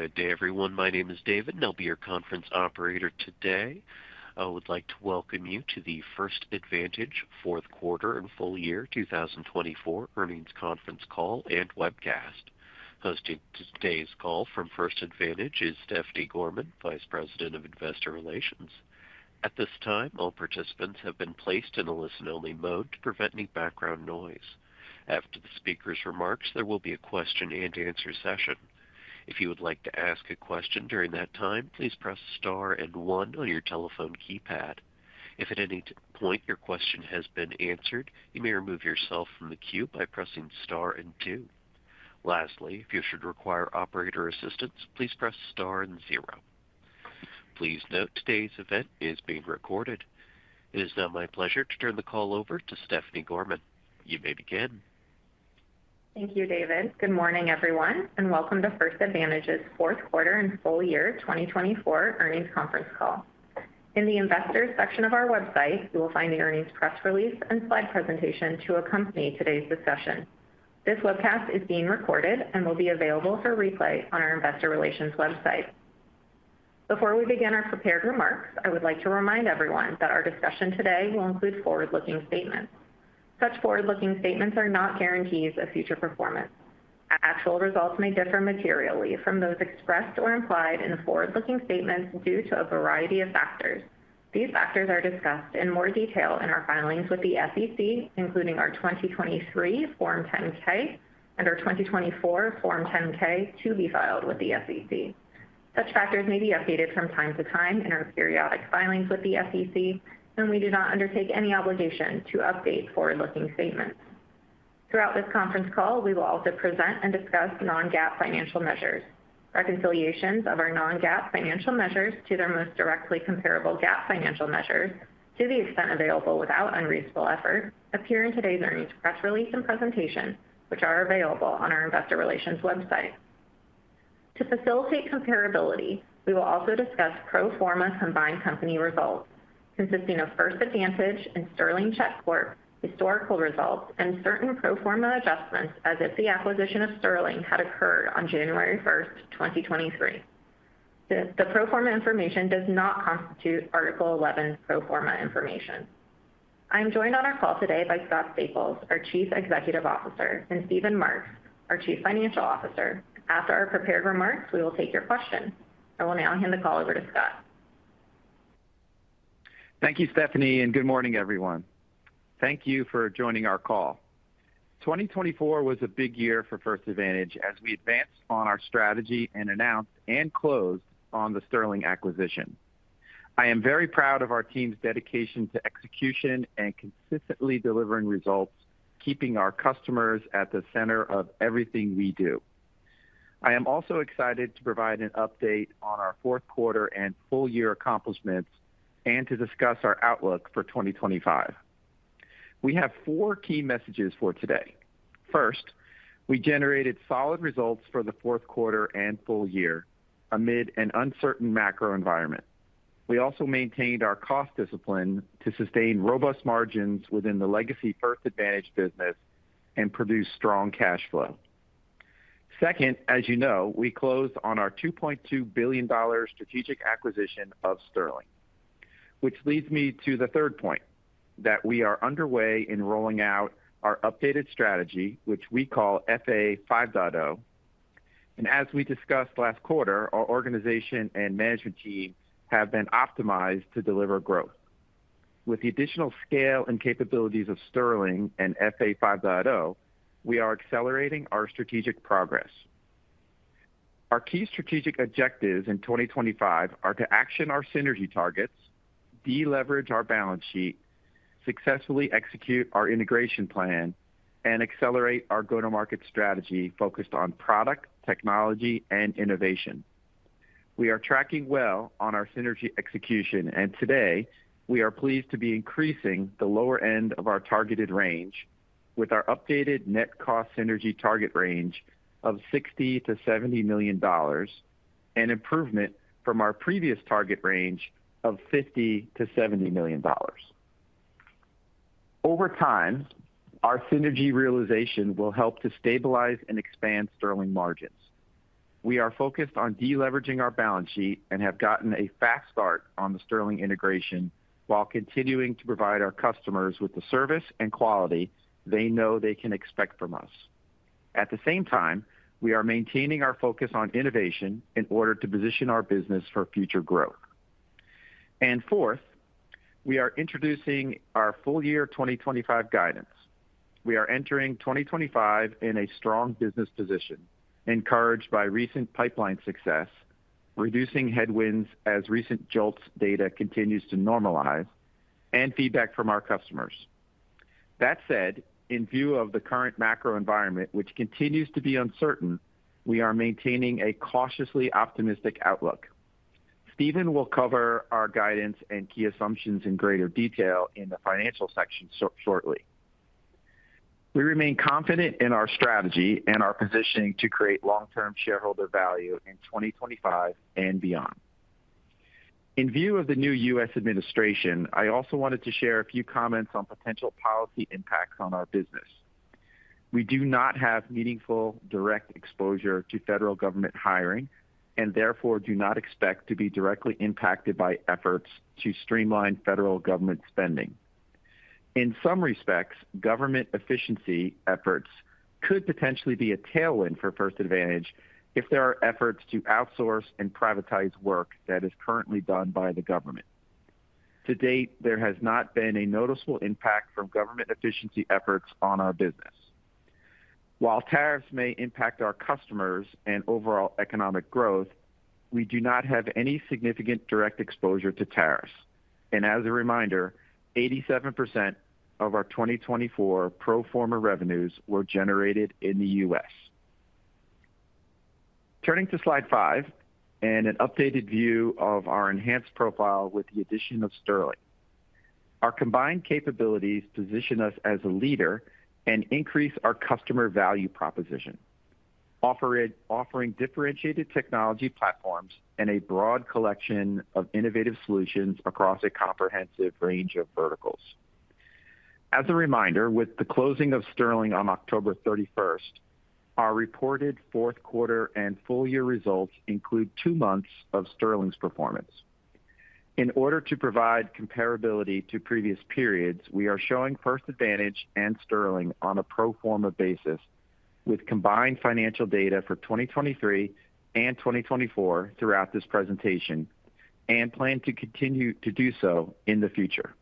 Good day, everyone. My name is David, and I'll be your conference operator today. I would like to welcome you to the First Advantage Fourth Quarter and Full Year 2024 Earnings Conference Call and Webcast. Hosting today's call from First Advantage is Stephanie Gorman, Vice President of Investor Relations. At this time, all participants have been placed in a listen-only mode to prevent any background noise. After the speaker's remarks, there will be a question-and-answer session. If you would like to ask a question during that time, please press star and one on your telephone keypad. If at any point your question has been answered, you may remove yourself from the queue by pressing star and two. Lastly, if you should require operator assistance, please press star and zero. Please note today's event is being recorded. It is now my pleasure to turn the call over to Stephanie Gorman. You may begin. Thank you, David. Good morning, everyone, and welcome to First Advantage's Fourth Quarter and Full Year 2024 Earnings Conference Call. In the Investors section of our website, you will find the earnings press release and slide presentation to accompany today's discussion. This webcast is being recorded and will be available for replay on our Investor Relations website. Before we begin our prepared remarks, I would like to remind everyone that our discussion today will include forward-looking statements. Such forward-looking statements are not guarantees of future performance. Actual results may differ materially from those expressed or implied in the forward-looking statements due to a variety of factors. These factors are discussed in more detail in our filings with the SEC, including our 2023 Form 10-K and our 2024 Form 10-K to be filed with the SEC. Such factors may be updated from time to time in our periodic filings with the SEC, and we do not undertake any obligation to update forward-looking statements. Throughout this conference call, we will also present and discuss non-GAAP financial measures. Reconciliations of our non-GAAP financial measures to their most directly comparable GAAP financial measures, to the extent available without unreasonable effort, appear in today's earnings press release and presentation, which are available on our Investor Relations website. To facilitate comparability, we will also discuss pro forma combined company results, consisting of First Advantage and Sterling Check historical results and certain pro forma adjustments as if the acquisition of Sterling had occurred on January 1st, 2023. The pro forma information does not constitute Article 11 pro forma information. I am joined on our call today by Scott Staples, our Chief Executive Officer, and Steven Marks, our Chief Financial Officer. After our prepared remarks, we will take your questions. I will now hand the call over to Scott. Thank you, Stephanie, and good morning, everyone. Thank you for joining our call. 2024 was a big year for First Advantage as we advanced on our strategy and announced and closed on the Sterling acquisition. I am very proud of our team's dedication to execution and consistently delivering results, keeping our customers at the center of everything we do. I am also excited to provide an update on our fourth quarter and full year accomplishments and to discuss our outlook for 2025. We have four key messages for today. First, we generated solid results for the fourth quarter and full year amid an uncertain macro environment. We also maintained our cost discipline to sustain robust margins within the Legacy First Advantage business and produce strong cash flow. Second, as you know, we closed on our $2.2 billion strategic acquisition of Sterling, which leads me to the third point, that we are underway in rolling out our updated strategy, which we call FA 5.0. As we discussed last quarter, our organization and management team have been optimized to deliver growth. With the additional scale and capabilities of Sterling and FA 5.0, we are accelerating our strategic progress. Our key strategic objectives in 2025 are to action our synergy targets, deleverage our balance sheet, successfully execute our integration plan, and accelerate our go-to-market strategy focused on product, technology, and innovation. We are tracking well on our synergy execution, and today we are pleased to be increasing the lower end of our targeted range with our updated net cost synergy target range of $60 million-$70 million and improvement from our previous target range of $50 million-$70 million. Over time, our synergy realization will help to stabilize and expand Sterling margins. We are focused on deleveraging our balance sheet and have gotten a fast start on the Sterling integration while continuing to provide our customers with the service and quality they know they can expect from us. At the same time, we are maintaining our focus on innovation in order to position our business for future growth. Fourth, we are introducing our full year 2025 guidance. We are entering 2025 in a strong business position, encouraged by recent pipeline success, reducing headwinds as recent JOLTS data continues to normalize, and feedback from our customers. That said, in view of the current macro environment, which continues to be uncertain, we are maintaining a cautiously optimistic outlook. Steven will cover our guidance and key assumptions in greater detail in the financial section shortly. We remain confident in our strategy and our positioning to create long-term shareholder value in 2025 and beyond. In view of the new U.S. administration, I also wanted to share a few comments on potential policy impacts on our business. We do not have meaningful direct exposure to federal government hiring and therefore do not expect to be directly impacted by efforts to streamline federal government spending. In some respects, government efficiency efforts could potentially be a tailwind for First Advantage if there are efforts to outsource and privatize work that is currently done by the government. To date, there has not been a noticeable impact from government efficiency efforts on our business. While tariffs may impact our customers and overall economic growth, we do not have any significant direct exposure to tariffs, and as a reminder, 87% of our 2024 pro forma revenues were generated in the U.S. Turning to slide five and an updated view of our enhanced profile with the addition of Sterling. Our combined capabilities position us as a leader and increase our customer value proposition, offering differentiated technology platforms and a broad collection of innovative solutions across a comprehensive range of verticals. As a reminder, with the closing of Sterling on October 31st, 2024, our reported fourth quarter and full year results include two months of Sterling's performance. In order to provide comparability to previous periods, we are showing First Advantage and Sterling on a pro forma basis with combined financial data for 2023 and 2024 throughout this presentation and plan to continue to do so in the future.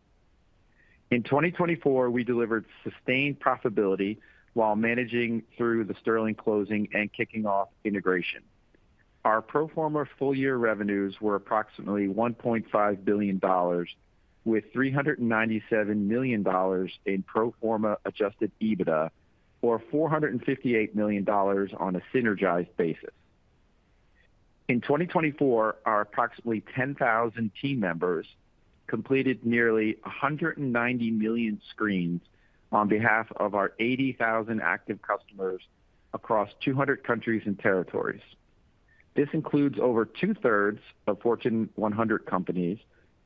In 2024, we delivered sustained profitability while managing through the Sterling closing and kicking off integration. Our pro forma full year revenues were approximately $1.5 billion, with $397 million in pro forma adjusted EBITDA or $458 million on a synergized basis. In 2024, our approximately 10,000 team members completed nearly 190 million screens on behalf of our 80,000 active customers across 200 countries and territories. This includes over 2/3 of Fortune 100 companies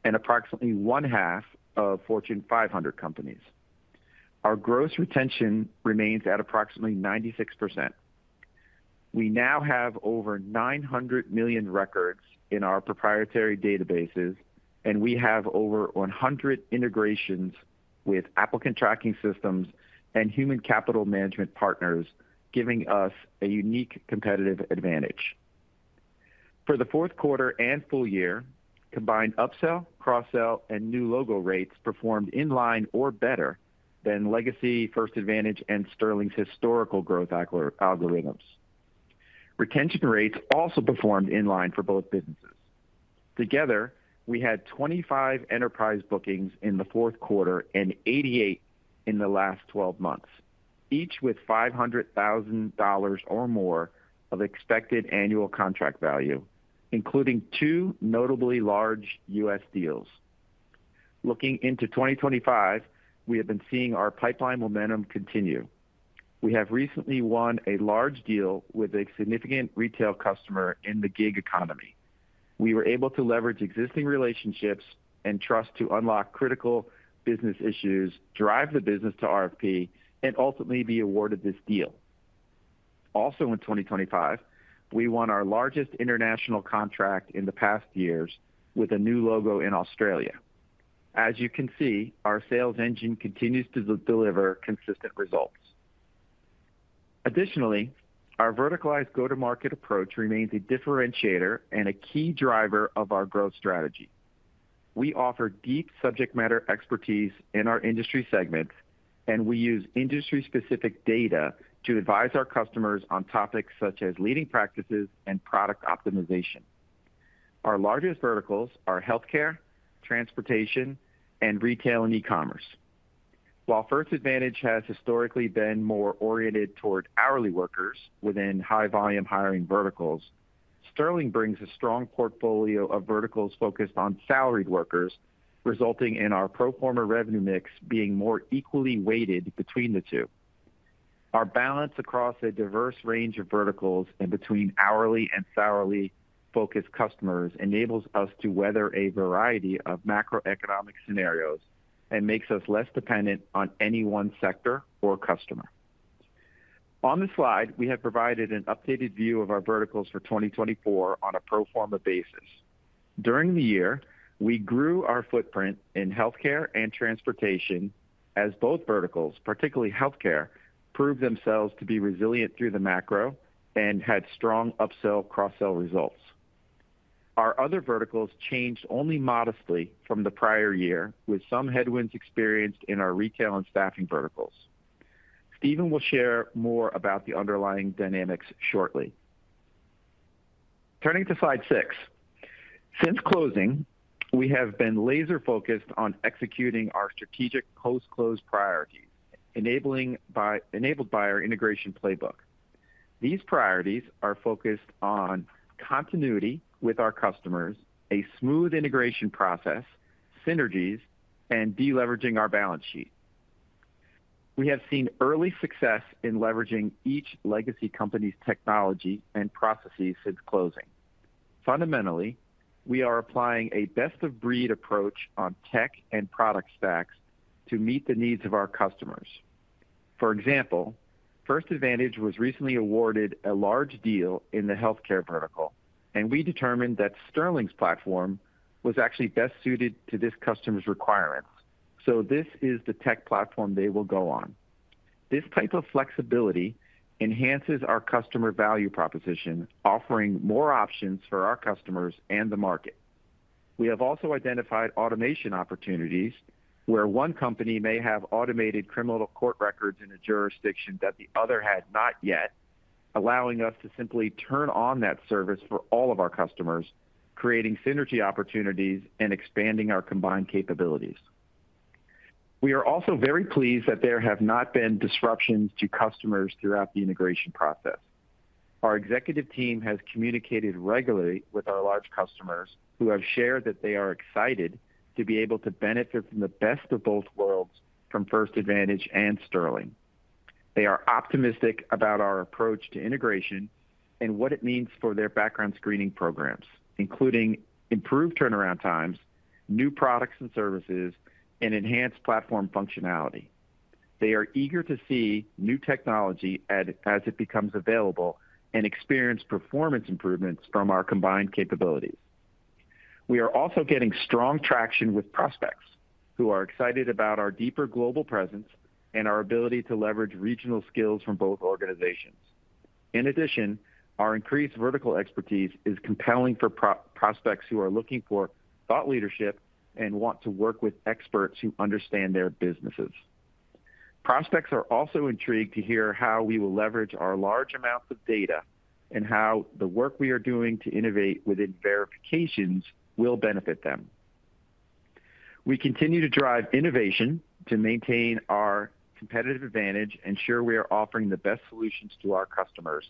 and approximately 1/2 of Fortune 500 companies. Our gross retention remains at approximately 96%. We now have over 900 million records in our proprietary databases, and we have over 100 integrations with applicant tracking systems and human capital management partners, giving us a unique competitive advantage. For the fourth quarter and full year, combined upsell, cross-sell, and new logo rates performed in line or better than Legacy First Advantage and Sterling's historical growth algorithms. Retention rates also performed in line for both businesses. Together, we had 25 enterprise bookings in the fourth quarter and 88 in the last 12 months, each with $500,000 or more of expected annual contract value, including two notably large U.S. deals. Looking into 2025, we have been seeing our pipeline momentum continue. We have recently won a large deal with a significant retail customer in the gig economy. We were able to leverage existing relationships and trust to unlock critical business issues, drive the business to RFP, and ultimately be awarded this deal. Also, in 2025, we won our largest international contract in the past years with a new logo in Australia. As you can see, our sales engine continues to deliver consistent results. Additionally, our verticalized go-to-market approach remains a differentiator and a key driver of our growth strategy. We offer deep subject matter expertise in our industry segments, and we use industry-specific data to advise our customers on topics such as leading practices and product optimization. Our largest verticals are healthcare, transportation, and retail and e-commerce. While First Advantage has historically been more oriented toward hourly workers within high-volume hiring verticals, Sterling brings a strong portfolio of verticals focused on salaried workers, resulting in our pro forma revenue mix being more equally weighted between the two. Our balance across a diverse range of verticals and between hourly and salary-focused customers enables us to weather a variety of macroeconomic scenarios and makes us less dependent on any one sector or customer. On the slide, we have provided an updated view of our verticals for 2024 on a pro forma basis. During the year, we grew our footprint in healthcare and transportation as both verticals, particularly healthcare, proved themselves to be resilient through the macro and had strong upsell, cross-sell results. Our other verticals changed only modestly from the prior year, with some headwinds experienced in our retail and staffing verticals. Steven will share more about the underlying dynamics shortly. Turning to slide six, since closing, we have been laser-focused on executing our strategic post-close priorities enabled by our integration playbook. These priorities are focused on continuity with our customers, a smooth integration process, synergies, and deleveraging our balance sheet. We have seen early success in leveraging each legacy company's technology and processes since closing. Fundamentally, we are applying a best-of-breed approach on tech and product stacks to meet the needs of our customers. For example, First Advantage was recently awarded a large deal in the healthcare vertical, and we determined that Sterling's platform was actually best suited to this customer's requirements. So this is the tech platform they will go on. This type of flexibility enhances our customer value proposition, offering more options for our customers and the market. We have also identified automation opportunities where one company may have automated criminal court records in a jurisdiction that the other had not yet, allowing us to simply turn on that service for all of our customers, creating synergy opportunities and expanding our combined capabilities. We are also very pleased that there have not been disruptions to customers throughout the integration process. Our executive team has communicated regularly with our large customers who have shared that they are excited to be able to benefit from the best of both worlds from First Advantage and Sterling. They are optimistic about our approach to integration and what it means for their background screening programs, including improved turnaround times, new products and services, and enhanced platform functionality. They are eager to see new technology as it becomes available and experience performance improvements from our combined capabilities. We are also getting strong traction with prospects who are excited about our deeper global presence and our ability to leverage regional skills from both organizations. In addition, our increased vertical expertise is compelling for prospects who are looking for thought leadership and want to work with experts who understand their businesses. Prospects are also intrigued to hear how we will leverage our large amounts of data and how the work we are doing to innovate within verifications will benefit them. We continue to drive innovation to maintain our competitive advantage and ensure we are offering the best solutions to our customers,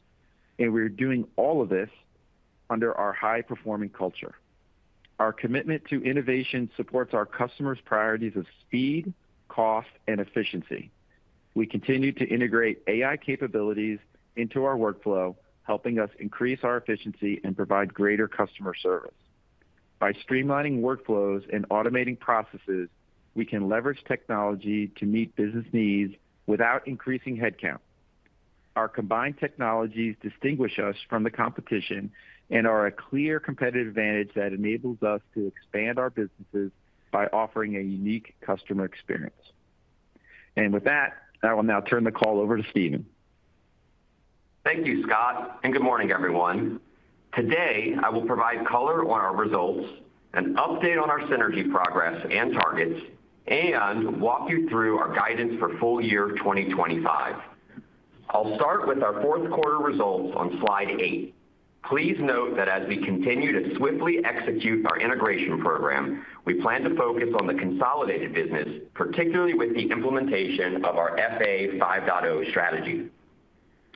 and we're doing all of this under our high-performing culture. Our commitment to innovation supports our customers' priorities of speed, cost, and efficiency. We continue to integrate AI capabilities into our workflow, helping us increase our efficiency and provide greater customer service. By streamlining workflows and automating processes, we can leverage technology to meet business needs without increasing headcount. Our combined technologies distinguish us from the competition and are a clear competitive advantage that enables us to expand our businesses by offering a unique customer experience, and with that, I will now turn the call over to Steven. Thank you, Scott, and good morning, everyone. Today, I will provide color on our results, an update on our synergy progress and targets, and walk you through our guidance for full year 2025. I'll start with our fourth quarter results on slide eight. Please note that as we continue to swiftly execute our integration program, we plan to focus on the consolidated business, particularly with the implementation of our FA 5.0 strategy.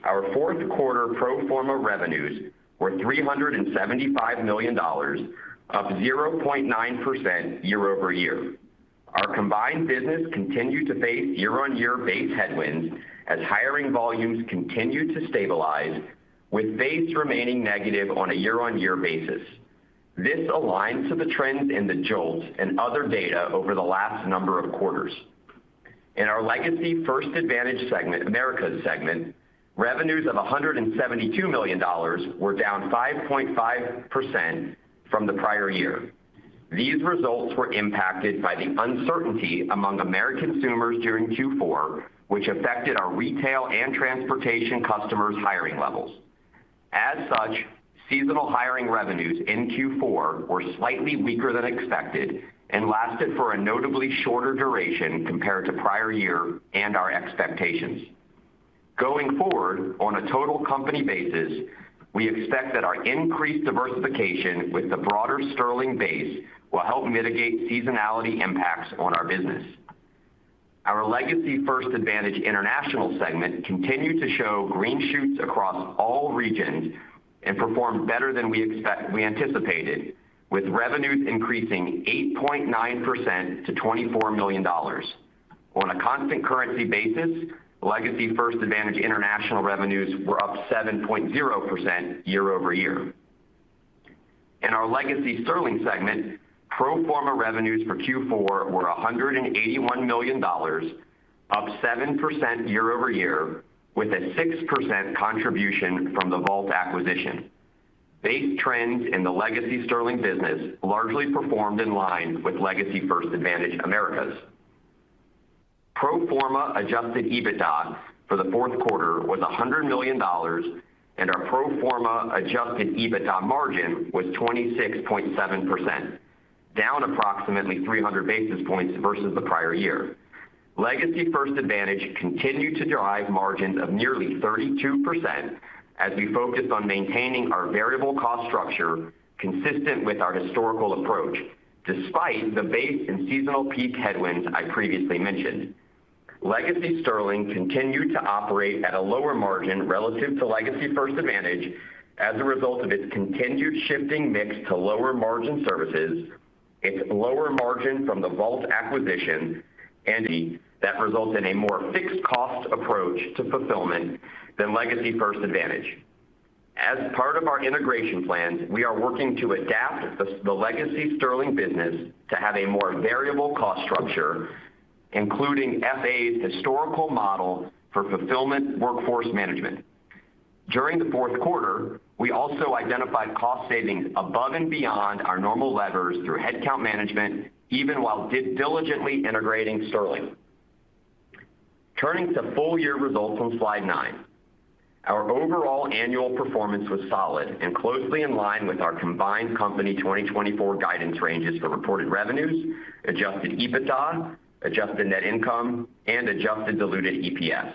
Our fourth quarter pro forma revenues were $375 million, up 0.9% year-over-year. Our combined business continued to face year-on-year base headwinds as hiring volumes continued to stabilize, with base remaining negative on a year-on-year basis. This aligns to the trends in the JOLTS and other data over the last number of quarters. In our Legacy First Advantage segment, Americas segment, revenues of $172 million were down 5.5% from the prior year. These results were impacted by the uncertainty among American consumers during Q4, which affected our retail and transportation customers' hiring levels. As such, seasonal hiring revenues in Q4 were slightly weaker than expected and lasted for a notably shorter duration compared to prior year and our expectations. Going forward on a total company basis, we expect that our increased diversification with the broader Sterling base will help mitigate seasonality impacts on our business. Our Legacy First Advantage international segment continued to show green shoots across all regions and performed better than we anticipated, with revenues increasing 8.9% to $24 million. On a constant currency basis, Legacy First Advantage international revenues were up 7.0% year-over-year. In our Legacy Sterling segment, pro forma revenues for Q4 were $181 million, up 7% year-over-year, with a 6% contribution from the Vault acquisition. Base trends in the Legacy Sterling business largely performed in line with Legacy First Advantage Americas. Pro forma adjusted EBITDA for the fourth quarter was $100 million, and our pro forma adjusted EBITDA margin was 26.7%, down approximately 300 basis points versus the prior year. Legacy First Advantage continued to drive margins of nearly 32% as we focused on maintaining our variable cost structure consistent with our historical approach, despite the base and seasonal peak headwinds I previously mentioned. Legacy Sterling continued to operate at a lower margin relative to Legacy First Advantage as a result of its continued shifting mix to lower margin services, its lower margin from the Vault acquisition, and that results in a more fixed cost approach to fulfillment than Legacy First Advantage. As part of our integration plans, we are working to adapt the Legacy Sterling business to have a more variable cost structure, including FA's historical model for fulfillment workforce management. During the fourth quarter, we also identified cost savings above and beyond our normal levers through headcount management, even while diligently integrating Sterling. Turning to full year results on slide nine, our overall annual performance was solid and closely in line with our combined company 2024 guidance ranges for reported revenues, adjusted EBITDA, adjusted net income, and adjusted diluted EPS.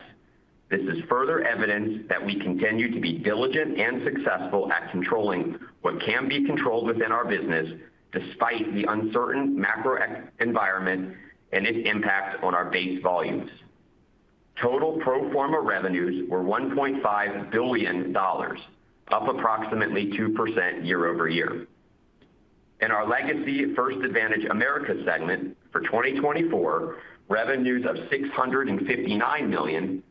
This is further evidence that we continue to be diligent and successful at controlling what can be controlled within our business despite the uncertain macro environment and its impact on our base volumes. Total pro forma revenues were $1.5 billion, up approximately 2% year-over-year. In our Legacy First Advantage Americas segment for 2024, revenues of $659 million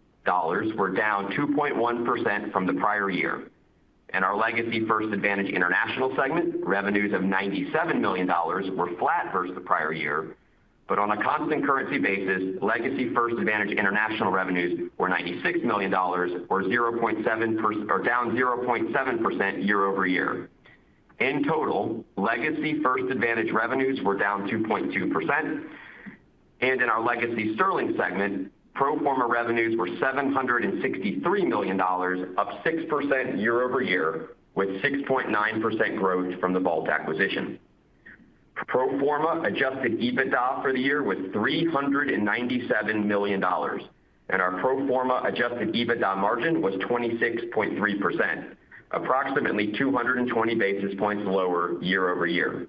were down 2.1% from the prior year. In our Legacy First Advantage international segment, revenues of $97 million were flat versus the prior year. But on a constant currency basis, Legacy First Advantage international revenues were $96 million, down 0.7% year-over-year. In total, Legacy First Advantage revenues were down 2.2%. And in our Legacy Sterling segment, pro forma revenues were $763 million, up 6% year-over-year, with 6.9% growth from the Vault acquisition. Pro forma adjusted EBITDA for the year was $397 million, and our pro forma adjusted EBITDA margin was 26.3%, approximately 220 basis points lower year-over-year.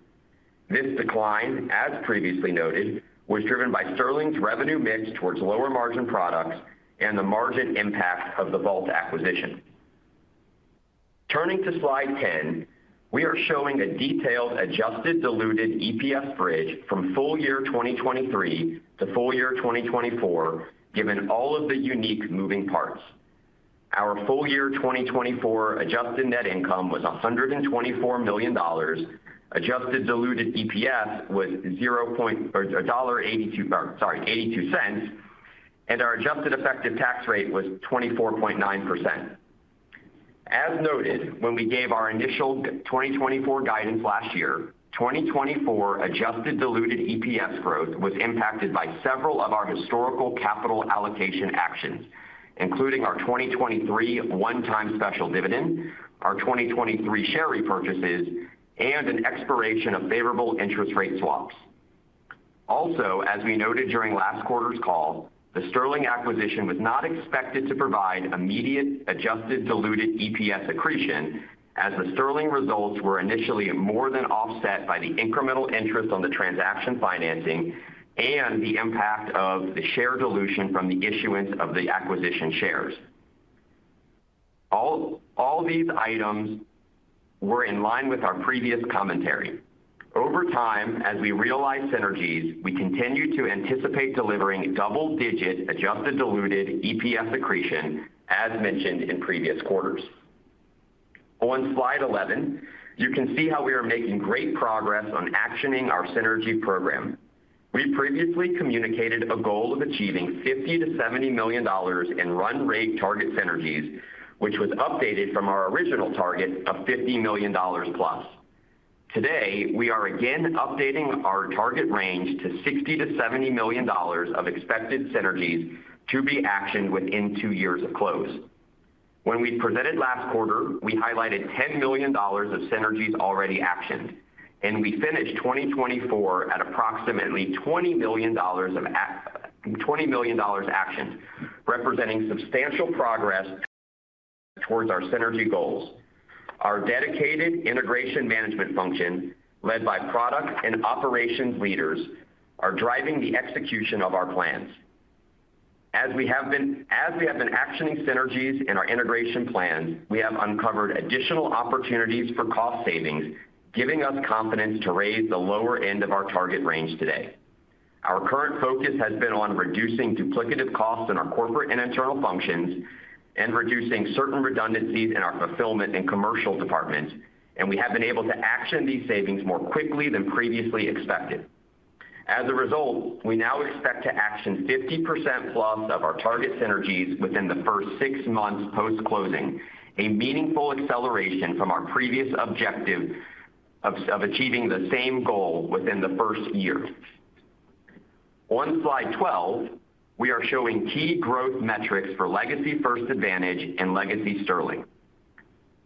This decline, as previously noted, was driven by Sterling's revenue mix towards lower margin products and the margin impact of the Vault acquisition. Turning to slide 10, we are showing a detailed adjusted diluted EPS bridge from full year 2023 to full year 2024, given all of the unique moving parts. Our full year 2024 adjusted net income was $124 million, adjusted diluted EPS was $0.84, and our adjusted effective tax rate was 24.9%. As noted, when we gave our initial 2024 guidance last year, 2024 adjusted diluted EPS growth was impacted by several of our historical capital allocation actions, including our 2023 one-time special dividend, our 2023 share repurchases, and an expiration of favorable interest rate swaps. Also, as we noted during last quarter's call, the Sterling acquisition was not expected to provide immediate adjusted diluted EPS accretion, as the Sterling results were initially more than offset by the incremental interest on the transaction financing and the impact of the share dilution from the issuance of the acquisition shares. All these items were in line with our previous commentary. Over time, as we realize synergies, we continue to anticipate delivering double-digit adjusted diluted EPS accretion, as mentioned in previous quarters. On slide 11, you can see how we are making great progress on actioning our synergy program. We previously communicated a goal of achieving $50 million-$70 million in run rate target synergies, which was updated from our original target of $50+ million. Today, we are again updating our target range to $60 million-$70 million of expected synergies to be actioned within two years of close. When we presented last quarter, we highlighted $10 million of synergies already actioned, and we finished 2024 at approximately $20 million actioned, representing substantial progress towards our synergy goals. Our dedicated integration management function, led by product and operations leaders, is driving the execution of our plans. As we have been actioning synergies in our integration plans, we have uncovered additional opportunities for cost savings, giving us confidence to raise the lower end of our target range today. Our current focus has been on reducing duplicative costs in our corporate and internal functions and reducing certain redundancies in our fulfillment and commercial departments, and we have been able to action these savings more quickly than previously expected. As a result, we now expect to action 50%+ of our target synergies within the first six months post-closing, a meaningful acceleration from our previous objective of achieving the same goal within the first year. On slide 12, we are showing key growth metrics for Legacy First Advantage and Legacy Sterling.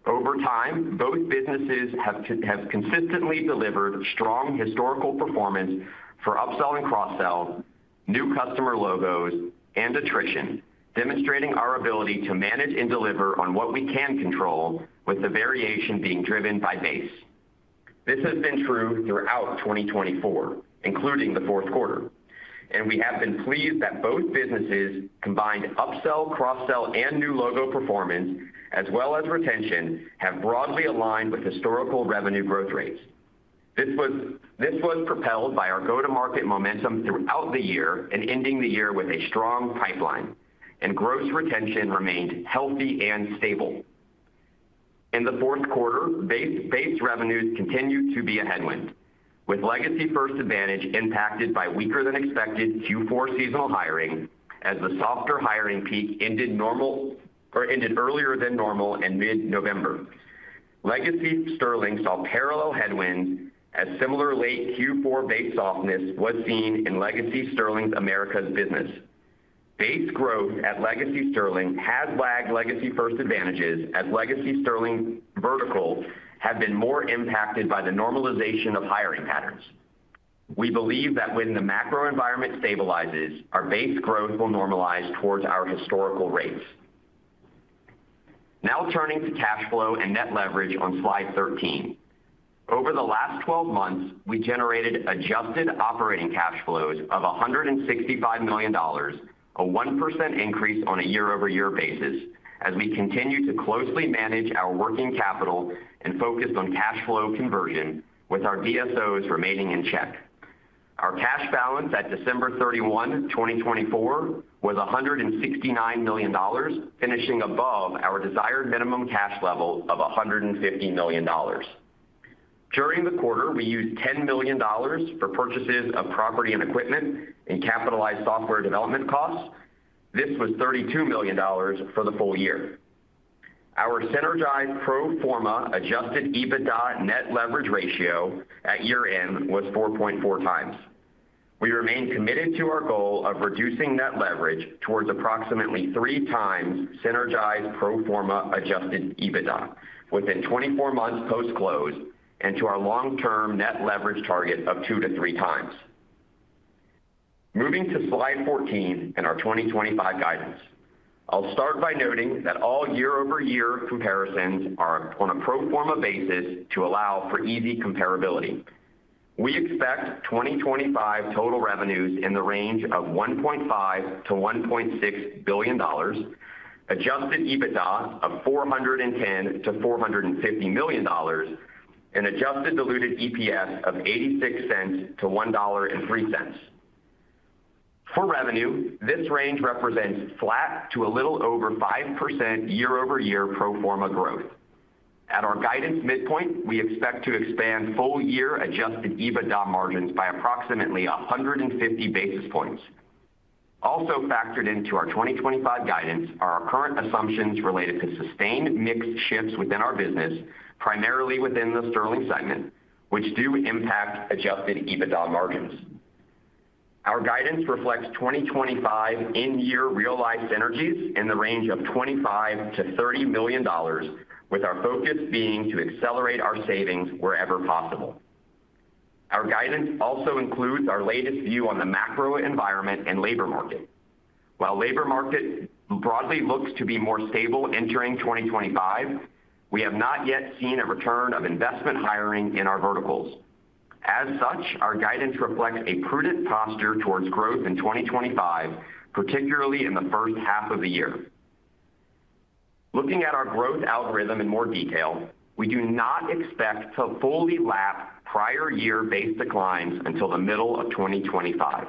Over time, both businesses have consistently delivered strong historical performance for upsell and cross-sell, new customer logos, and attrition, demonstrating our ability to manage and deliver on what we can control, with the variation being driven by base. This has been true throughout 2024, including the fourth quarter. We have been pleased that both businesses' combined upsell, cross-sell, and new logo performance, as well as retention, have broadly aligned with historical revenue growth rates. This was propelled by our go-to-market momentum throughout the year and ending the year with a strong pipeline, and gross retention remained healthy and stable. In the fourth quarter, base revenues continued to be a headwind, with Legacy First Advantage impacted by weaker-than-expected Q4 seasonal hiring as the softer hiring peak ended earlier than normal in mid-November. Legacy Sterling saw parallel headwinds as similar late Q4 base softness was seen in Legacy Sterling's Americas business. Base growth at Legacy Sterling has lagged Legacy First Advantage's, as Legacy Sterling verticals have been more impacted by the normalization of hiring patterns. We believe that when the macro environment stabilizes, our base growth will normalize towards our historical rates. Now turning to cash flow and net leverage on slide 13. Over the last 12 months, we generated adjusted operating cash flows of $165 million, a 1% increase on a year-over-year basis, as we continue to closely manage our working capital and focus on cash flow conversion, with our DSOs remaining in check. Our cash balance at December 31, 2024, was $169 million, finishing above our desired minimum cash level of $150 million. During the quarter, we used $10 million for purchases of property and equipment and capitalized software development costs. This was $32 million for the full year. Our synergized pro forma adjusted EBITDA net leverage ratio at year-end was 4.4x. We remain committed to our goal of reducing net leverage towards approximately 3x synergized pro forma adjusted EBITDA within 24 months post-close and to our long-term net leverage target of 2-3x. Moving to slide 14 in our 2025 guidance, I'll start by noting that all year-over-year comparisons are on a pro forma basis to allow for easy comparability. We expect 2025 total revenues in the range of $1.5 billion-$1.6 billion, adjusted EBITDA of $410 million-$450 million, and adjusted diluted EPS of $0.86-$1.03. For revenue, this range represents flat to a little over 5% year-over-year pro forma growth. At our guidance midpoint, we expect to expand full-year adjusted EBITDA margins by approximately 150 basis points. Also factored into our 2025 guidance are our current assumptions related to sustained mixed shifts within our business, primarily within the Sterling segment, which do impact adjusted EBITDA margins. Our guidance reflects 2025 in-year realized synergies in the range of $25 million-$30 million, with our focus being to accelerate our savings wherever possible. Our guidance also includes our latest view on the macro environment and labor market. While labor market broadly looks to be more stable entering 2025, we have not yet seen a return of investment hiring in our verticals. As such, our guidance reflects a prudent posture towards growth in 2025, particularly in the first half of the year. Looking at our growth algorithm in more detail, we do not expect to fully wrap prior year-based declines until the middle of 2025.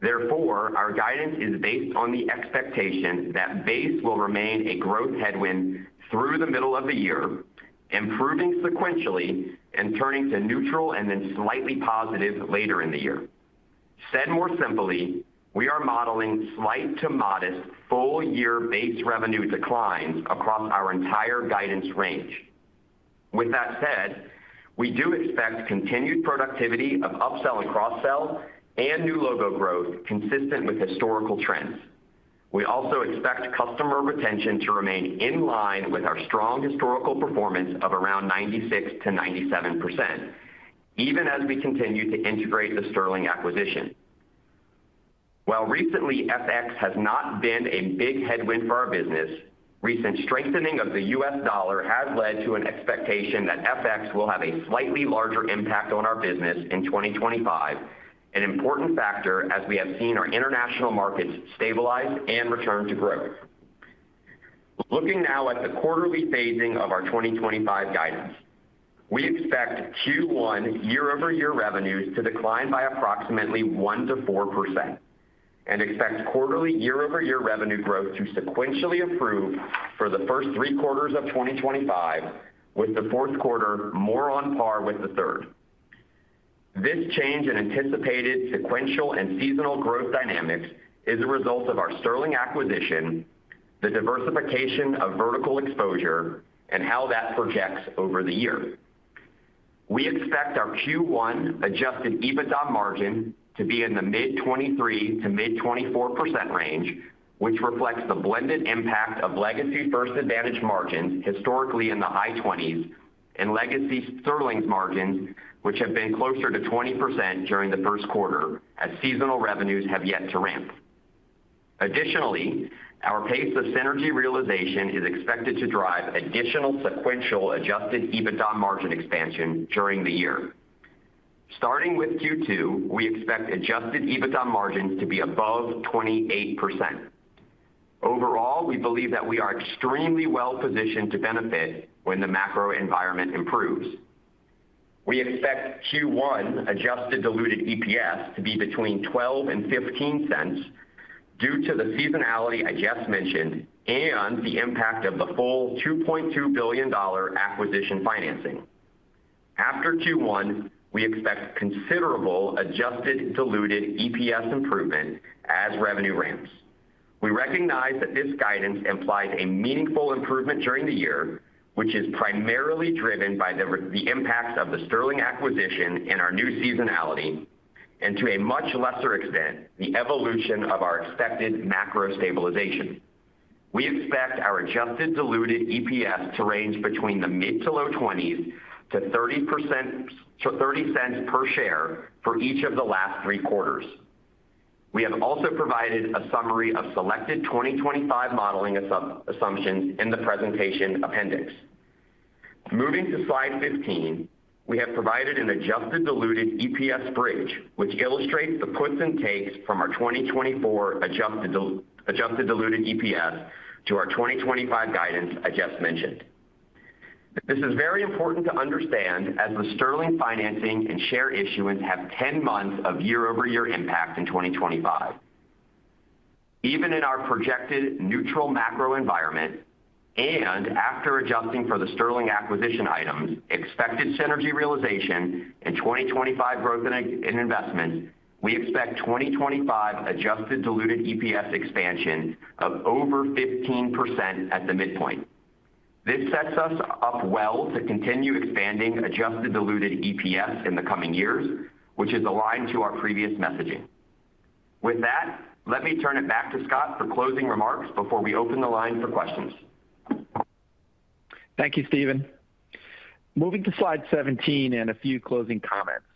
Therefore, our guidance is based on the expectation that base will remain a growth headwind through the middle of the year, improving sequentially and turning to neutral and then slightly positive later in the year. Said more simply, we are modeling slight to modest full-year base revenue declines across our entire guidance range. With that said, we do expect continued productivity of upsell and cross-sell and new logo growth consistent with historical trends. We also expect customer retention to remain in line with our strong historical performance of around 96%-97%, even as we continue to integrate the Sterling acquisition. While recently FX has not been a big headwind for our business, recent strengthening of the U.S. dollar has led to an expectation that FX will have a slightly larger impact on our business in 2025, an important factor as we have seen our international markets stabilize and return to growth. Looking now at the quarterly phasing of our 2025 guidance, we expect Q1 year-over-year revenues to decline by approximately 1%-4% and expect quarterly year-over-year revenue growth to sequentially improve for the first three quarters of 2025, with the fourth quarter more on par with the third. This change in anticipated sequential and seasonal growth dynamics is a result of our Sterling acquisition, the diversification of vertical exposure, and how that projects over the year. We expect our Q1 adjusted EBITDA margin to be in the mid-23% to mid-24% range, which reflects the blended impact of Legacy First Advantage margins historically in the high 20%s and Legacy Sterling's margins, which have been closer to 20% during the first quarter, as seasonal revenues have yet to ramp. Additionally, our pace of synergy realization is expected to drive additional sequential adjusted EBITDA margin expansion during the year. Starting with Q2, we expect adjusted EBITDA margins to be above 28%. Overall, we believe that we are extremely well-positioned to benefit when the macro environment improves. We expect Q1 adjusted diluted EPS to be between $0.12 and $0.15 due to the seasonality I just mentioned and the impact of the full $2.2 billion acquisition financing. After Q1, we expect considerable adjusted diluted EPS improvement as revenue ramps. We recognize that this guidance implies a meaningful improvement during the year, which is primarily driven by the impacts of the Sterling acquisition and our new seasonality, and to a much lesser extent, the evolution of our expected macro stabilization. We expect our adjusted diluted EPS to range between the mid- to low-$0.20-$0.30 per share for each of the last three quarters. We have also provided a summary of selected 2025 modeling assumptions in the presentation appendix. Moving to slide 15, we have provided an adjusted diluted EPS bridge, which illustrates the puts and takes from our 2024 adjusted diluted EPS to our 2025 guidance I just mentioned. This is very important to understand as the Sterling financing and share issuance have 10 months of year-over-year impact in 2025. Even in our projected neutral macro environment and after adjusting for the Sterling acquisition items, expected synergy realization and 2025 growth in investments, we expect 2025 adjusted diluted EPS expansion of over 15% at the midpoint. This sets us up well to continue expanding adjusted diluted EPS in the coming years, which is aligned to our previous messaging. With that, let me turn it back to Scott for closing remarks before we open the line for questions. Thank you, Steven. Moving to slide 17 and a few closing comments.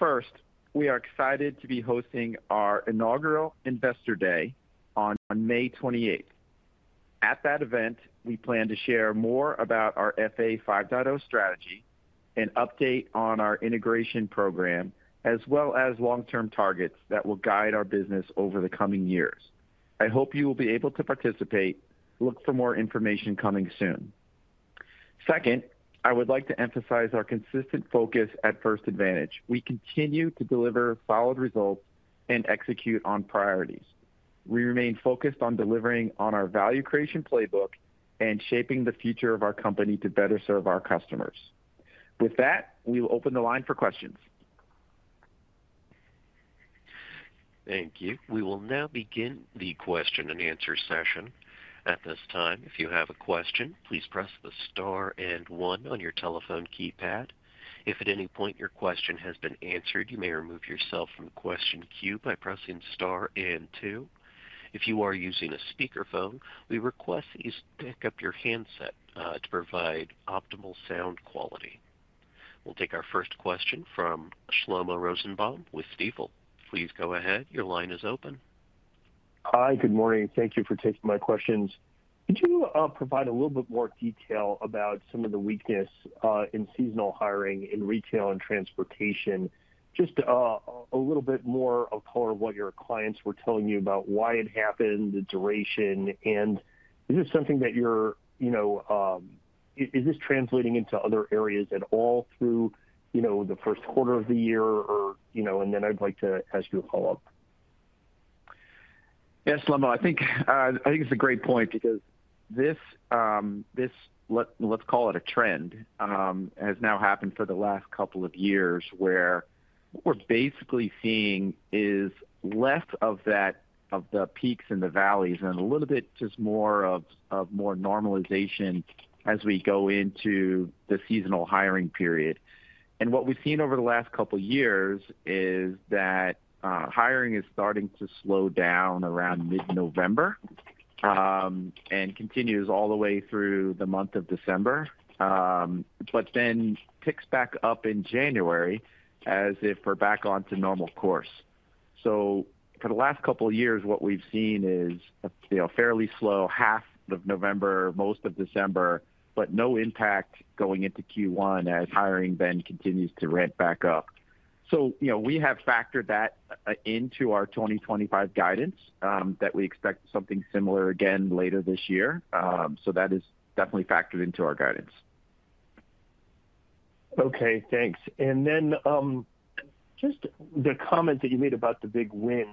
First, we are excited to be hosting our inaugural Investor Day on May 28th. At that event, we plan to share more about our FA 5.0 strategy and update on our integration program, as well as long-term targets that will guide our business over the coming years. I hope you will be able to participate. Look for more information coming soon. Second, I would like to emphasize our consistent focus at First Advantage. We continue to deliver solid results and execute on priorities. We remain focused on delivering on our value creation playbook and shaping the future of our company to better serve our customers. With that, we will open the line for questions. Thank you. We will now begin the question-and-answer session. At this time, if you have a question, please press the star and one on your telephone keypad. If at any point your question has been answered, you may remove yourself from the question queue by pressing star and two. If you are using a speakerphone, we request that you pick up your handset to provide optimal sound quality. We'll take our first question from Shlomo Rosenbaum with Stifel. Please go ahead. Your line is open. Hi, good morning. Thank you for taking my questions. Could you provide a little bit more detail about some of the weakness in seasonal hiring in retail and transportation? Just a little bit more of color of what your clients were telling you about, why it happened, the duration, and is this something that you're—is this translating into other areas at all through the first quarter of the year? And then I'd like to ask you a follow-up. Yes, Shlomo, I think it's a great point because this, let's call it a trend, has now happened for the last couple of years where what we're basically seeing is less of the peaks and the valleys and a little bit just more normalization as we go into the seasonal hiring period. What we've seen over the last couple of years is that hiring is starting to slow down around mid-November and continues all the way through the month of December, but then picks back up in January as if we're back onto normal course. For the last couple of years, what we've seen is fairly slow, half of November, most of December, but no impact going into Q1 as hiring then continues to ramp back up. We have factored that into our 2025 guidance that we expect something similar again later this year. That is definitely factored into our guidance. Okay, thanks. Then just the comment that you made about the big win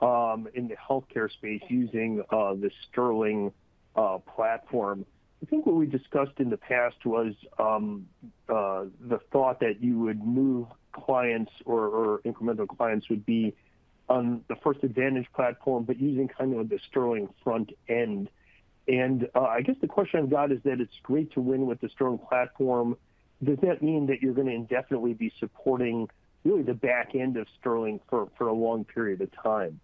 in the healthcare space using the Sterling platform. I think what we discussed in the past was the thought that you would move clients or incremental clients would be on the First Advantage platform, but using kind of the Sterling front end. And I guess the question I've got is that it's great to win with the Sterling platform. Does that mean that you're going to indefinitely be supporting really the back end of Sterling for a long period of time?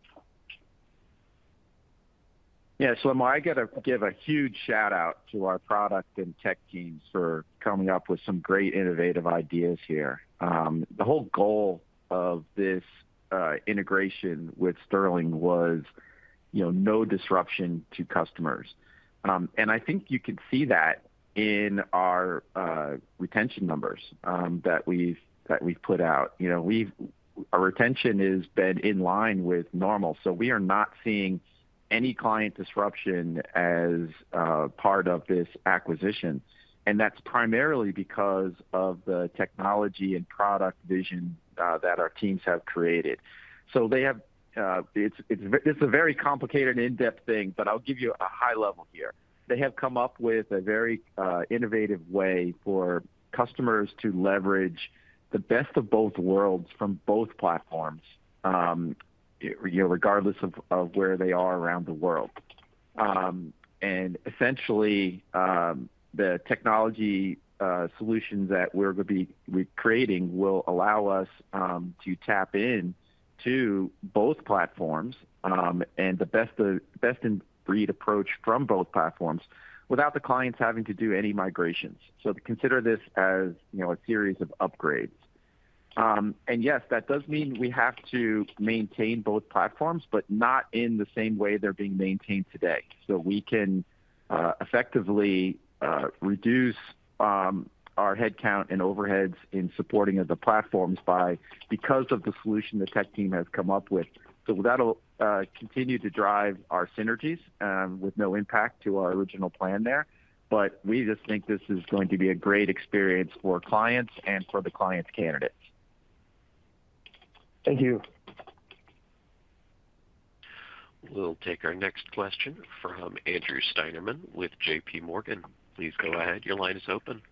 Yeah, Shlomo, I got to give a huge shout-out to our product and tech teams for coming up with some great innovative ideas here. The whole goal of this integration with Sterling was no disruption to customers. And I think you can see that in our retention numbers that we've put out. Our retention has been in line with normal. So we are not seeing any client disruption as part of this acquisition. And that's primarily because of the technology and product vision that our teams have created. So it's a very complicated and in-depth thing, but I'll give you a high level here. They have come up with a very innovative way for customers to leverage the best of both worlds from both platforms, regardless of where they are around the world. And essentially, the technology solutions that we're going to be creating will allow us to tap into both platforms and the best-in-breed approach from both platforms without the clients having to do any migrations. So consider this as a series of upgrades. And yes, that does mean we have to maintain both platforms, but not in the same way they're being maintained today. So we can effectively reduce our headcount and overheads in supporting of the platforms because of the solution the tech team has come up with. So that'll continue to drive our synergies with no impact to our original plan there. But we just think this is going to be a great experience for clients and for the clients' candidates. Thank you. We'll take our next question from Andrew Steinerman with JPMorgan. Please go ahead. Your line is open.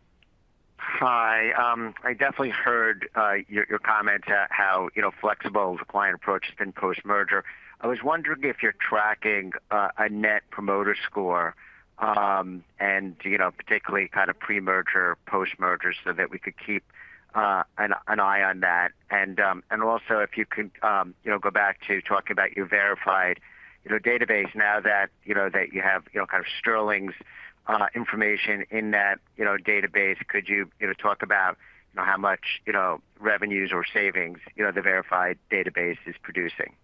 Hi. I definitely heard your comment at how flexible the client approach has been post-merger. I was wondering if you're tracking a Net Promoter Score and particularly kind of pre-merger, post-merger so that we could keep an eye on that. And also, if you can go back to talking about your Verified database, now that you have kind of Sterling's information in that database, could you talk about how much revenues or savings the Verified database is producing?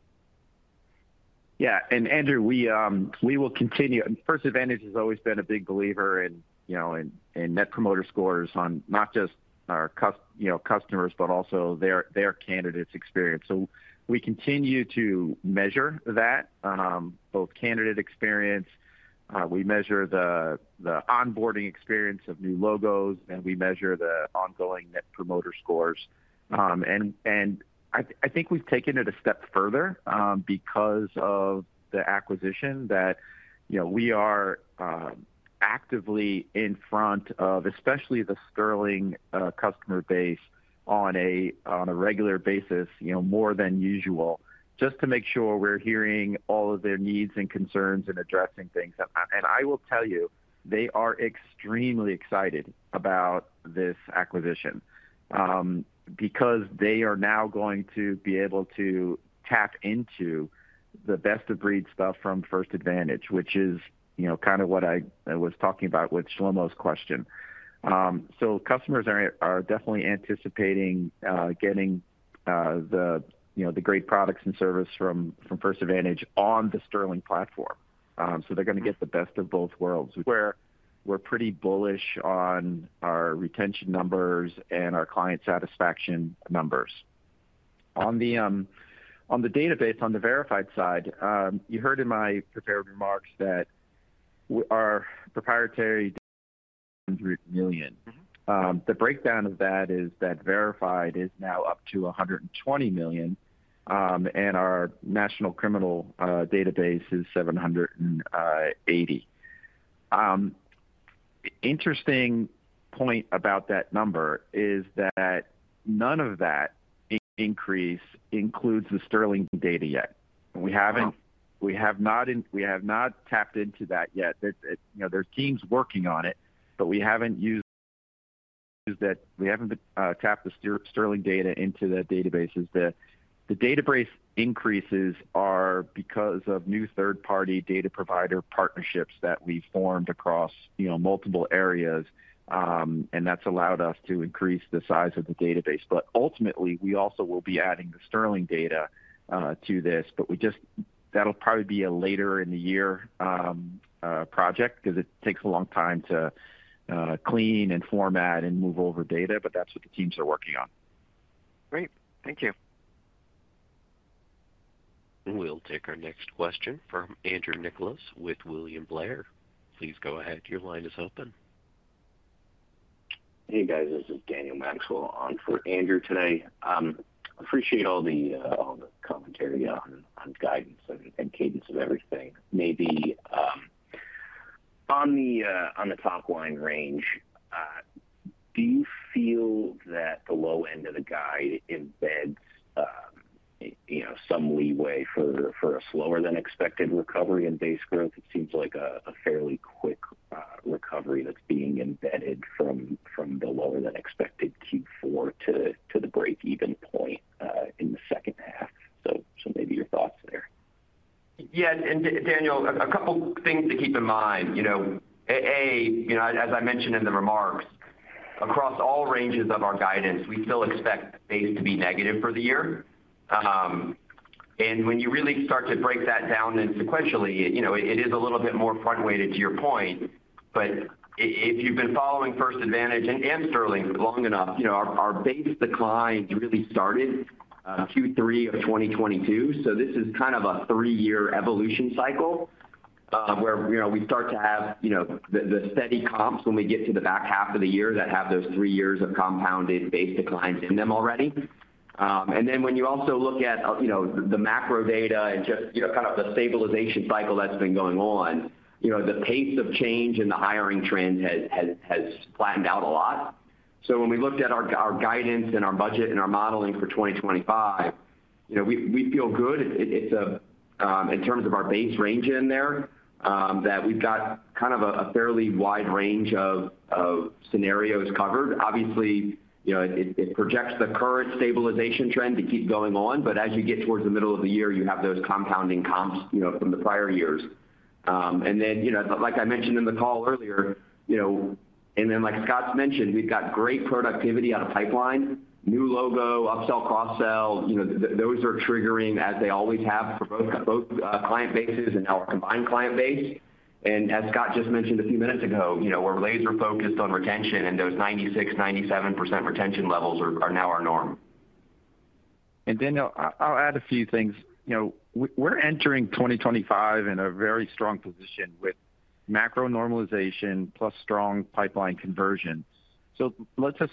Yeah. And Andrew, we will continue. First Advantage has always been a big believer in Net Promoter Scores, not just our customers, but also their candidates' experience. So we continue to measure that, both candidate experience. We measure the onboarding experience of new logos, and we measure the ongoing Net Promoter Scores. And I think we've taken it a step further because of the acquisition that we are actively in front of, especially the Sterling customer base on a regular basis, more than usual, just to make sure we're hearing all of their needs and concerns and addressing things. And I will tell you, they are extremely excited about this acquisition because they are now going to be able to tap into the best-of-breed stuff from First Advantage, which is kind of what I was talking about with Shlomo's question. Customers are definitely anticipating getting the great products and service from First Advantage on the Sterling platform. They're going to get the best of both worlds, where we're pretty bullish on our retention numbers and our client satisfaction numbers. On the database, on the Verified side, you heard in my prepared remarks that our proprietary is 100 million. The breakdown of that is that Verified is now up to 120 million, and our National Criminal Database is 780 million. Interesting point about that number is that none of that increase includes the Sterling data yet. We have not tapped into that yet. There's teams working on it, but we haven't used that. We haven't tapped the Sterling data into the databases. The database increases are because of new third-party data provider partnerships that we formed across multiple areas, and that's allowed us to increase the size of the database. But ultimately, we also will be adding the Sterling data to this, but that'll probably be a later-in-the-year project because it takes a long time to clean and format and move over data, but that's what the teams are working on. Great. Thank you. We'll take our next question from Andrew Nicholas with William Blair. Please go ahead. Your line is open. Hey, guys. This is Daniel Maxwell on for Andrew today. I appreciate all the commentary on guidance and cadence of everything. Maybe on the top-line range, do you feel that the low end of the guide embeds some leeway for a slower-than-expected recovery in base growth? It seems like a fairly quick recovery that's being embedded from the lower-than-expected Q4 to the break-even point in the second half. So maybe your thoughts there. Yeah. And Daniel, a couple of things to keep in mind. As I mentioned in the remarks, across all ranges of our guidance, we still expect base to be negative for the year, and when you really start to break that down then sequentially, it is a little bit more front-weighted to your point, but if you've been following First Advantage and Sterling long enough, our base decline really started Q3 of 2022, so this is kind of a three-year evolution cycle where we start to have the steady comps when we get to the back half of the year that have those three years of compounded base declines in them already, and then when you also look at the macro data and just kind of the stabilization cycle that's been going on, the pace of change in the hiring trend has flattened out a lot. So when we looked at our guidance and our budget and our modeling for 2025, we feel good in terms of our base range in there that we've got kind of a fairly wide range of scenarios covered. Obviously, it projects the current stabilization trend to keep going on, but as you get towards the middle of the year, you have those compounding comps from the prior years. And then, like I mentioned in the call earlier, and then like Scott's mentioned, we've got great productivity out of pipeline, new logo, upsell, cross-sell. Those are triggering, as they always have for both client bases and now our combined client base. And as Scott just mentioned a few minutes ago, we're laser-focused on retention, and those 96%-97% retention levels are now our norm. And Daniel, I'll add a few things. We're entering 2025 in a very strong position with macro normalization plus strong pipeline conversion. So let's just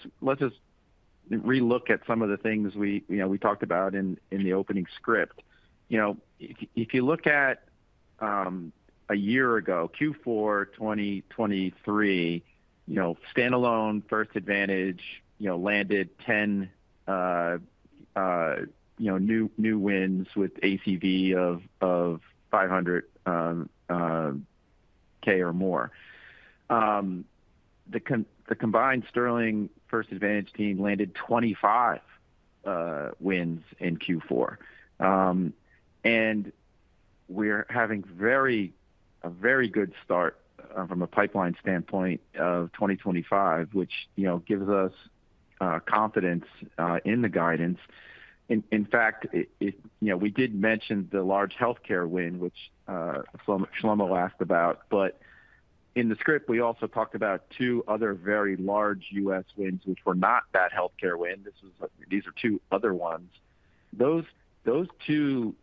relook at some of the things we talked about in the opening script. If you look at a year ago, Q4 2023, standalone First Advantage landed 10 new wins with ACV of 500,000 or more. The combined Sterling First Advantage team landed 25 wins in Q4. And we're having a very good start from a pipeline standpoint of 2025, which gives us confidence in the guidance. In fact, we did mention the large healthcare win, which Shlomo asked about. But in the script, we also talked about two other very large U.S. wins, which were not that healthcare win. These are two other ones. Those two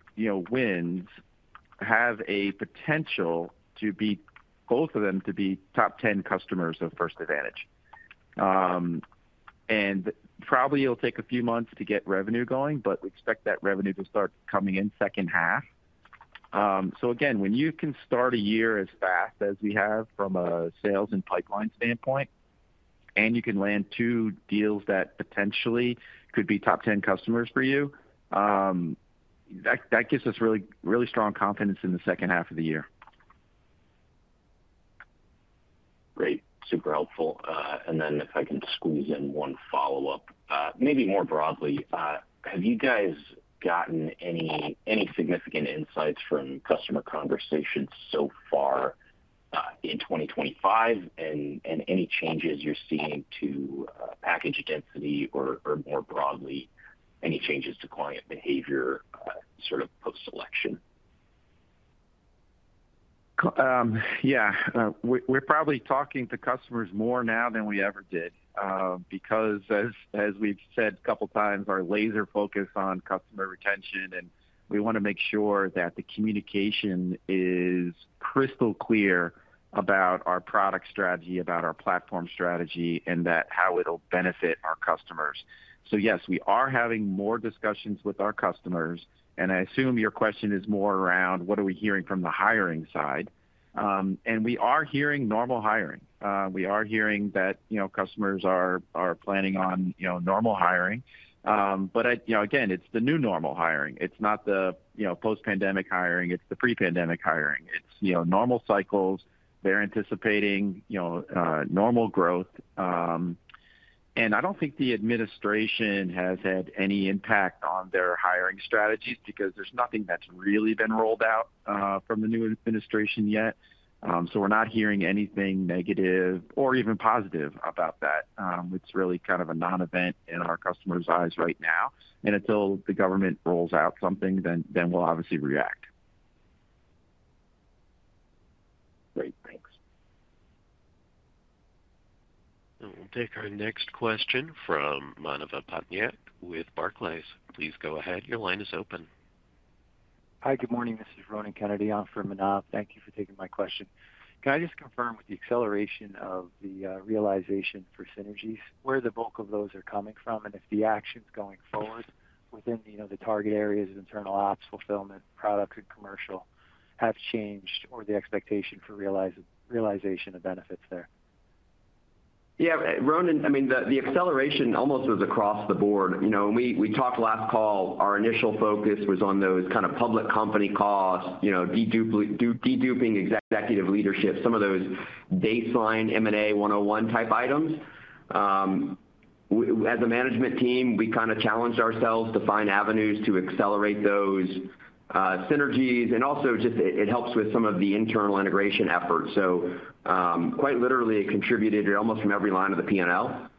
wins have a potential to be both of them to be top 10 customers of First Advantage. And probably it'll take a few months to get revenue going, but we expect that revenue to start coming in second half. So again, when you can start a year as fast as we have from a sales and pipeline standpoint, and you can land two deals that potentially could be top 10 customers for you, that gives us really strong confidence in the second half of the year. Great. Super helpful. And then if I can squeeze in one follow-up, maybe more broadly, have you guys gotten any significant insights from customer conversations so far in 2025 and any changes you're seeing to package density or more broadly, any changes to client behavior sort of post-selection? Yeah. We're probably talking to customers more now than we ever did because, as we've said a couple of times, our laser focus on customer retention, and we want to make sure that the communication is crystal clear about our product strategy, about our platform strategy, and how it'll benefit our customers. So yes, we are having more discussions with our customers. And I assume your question is more around what are we hearing from the hiring side. And we are hearing normal hiring. We are hearing that customers are planning on normal hiring. But again, it's the new normal hiring. It's not the post-pandemic hiring. It's the pre-pandemic hiring. It's normal cycles. They're anticipating normal growth. And I don't think the administration has had any impact on their hiring strategies because there's nothing that's really been rolled out from the new administration yet. So we're not hearing anything negative or even positive about that. It's really kind of a non-event in our customers' eyes right now. And until the government rolls out something, then we'll obviously react. Great. Thanks. We'll take our next question from Manav Patnaik with Barclays. Please go ahead. Your line is open. Hi. Good morning. This is Ronan Kennedy on for Manav. Thank you for taking my question. Can I just confirm with the acceleration of the realization for synergies, where the bulk of those are coming from, and if the actions going forward within the target areas of internal ops, fulfillment, products, and commercial have changed, or the expectation for realization of benefits there? Yeah. Ronan, I mean, the acceleration almost was across the board. We talked last call. Our initial focus was on those kind of public company costs, deduping executive leadership, some of those baseline M&A 101 type items. As a management team, we kind of challenged ourselves to find avenues to accelerate those synergies. And also, it helps with some of the internal integration efforts. So quite literally, it contributed almost from every line of the P&L.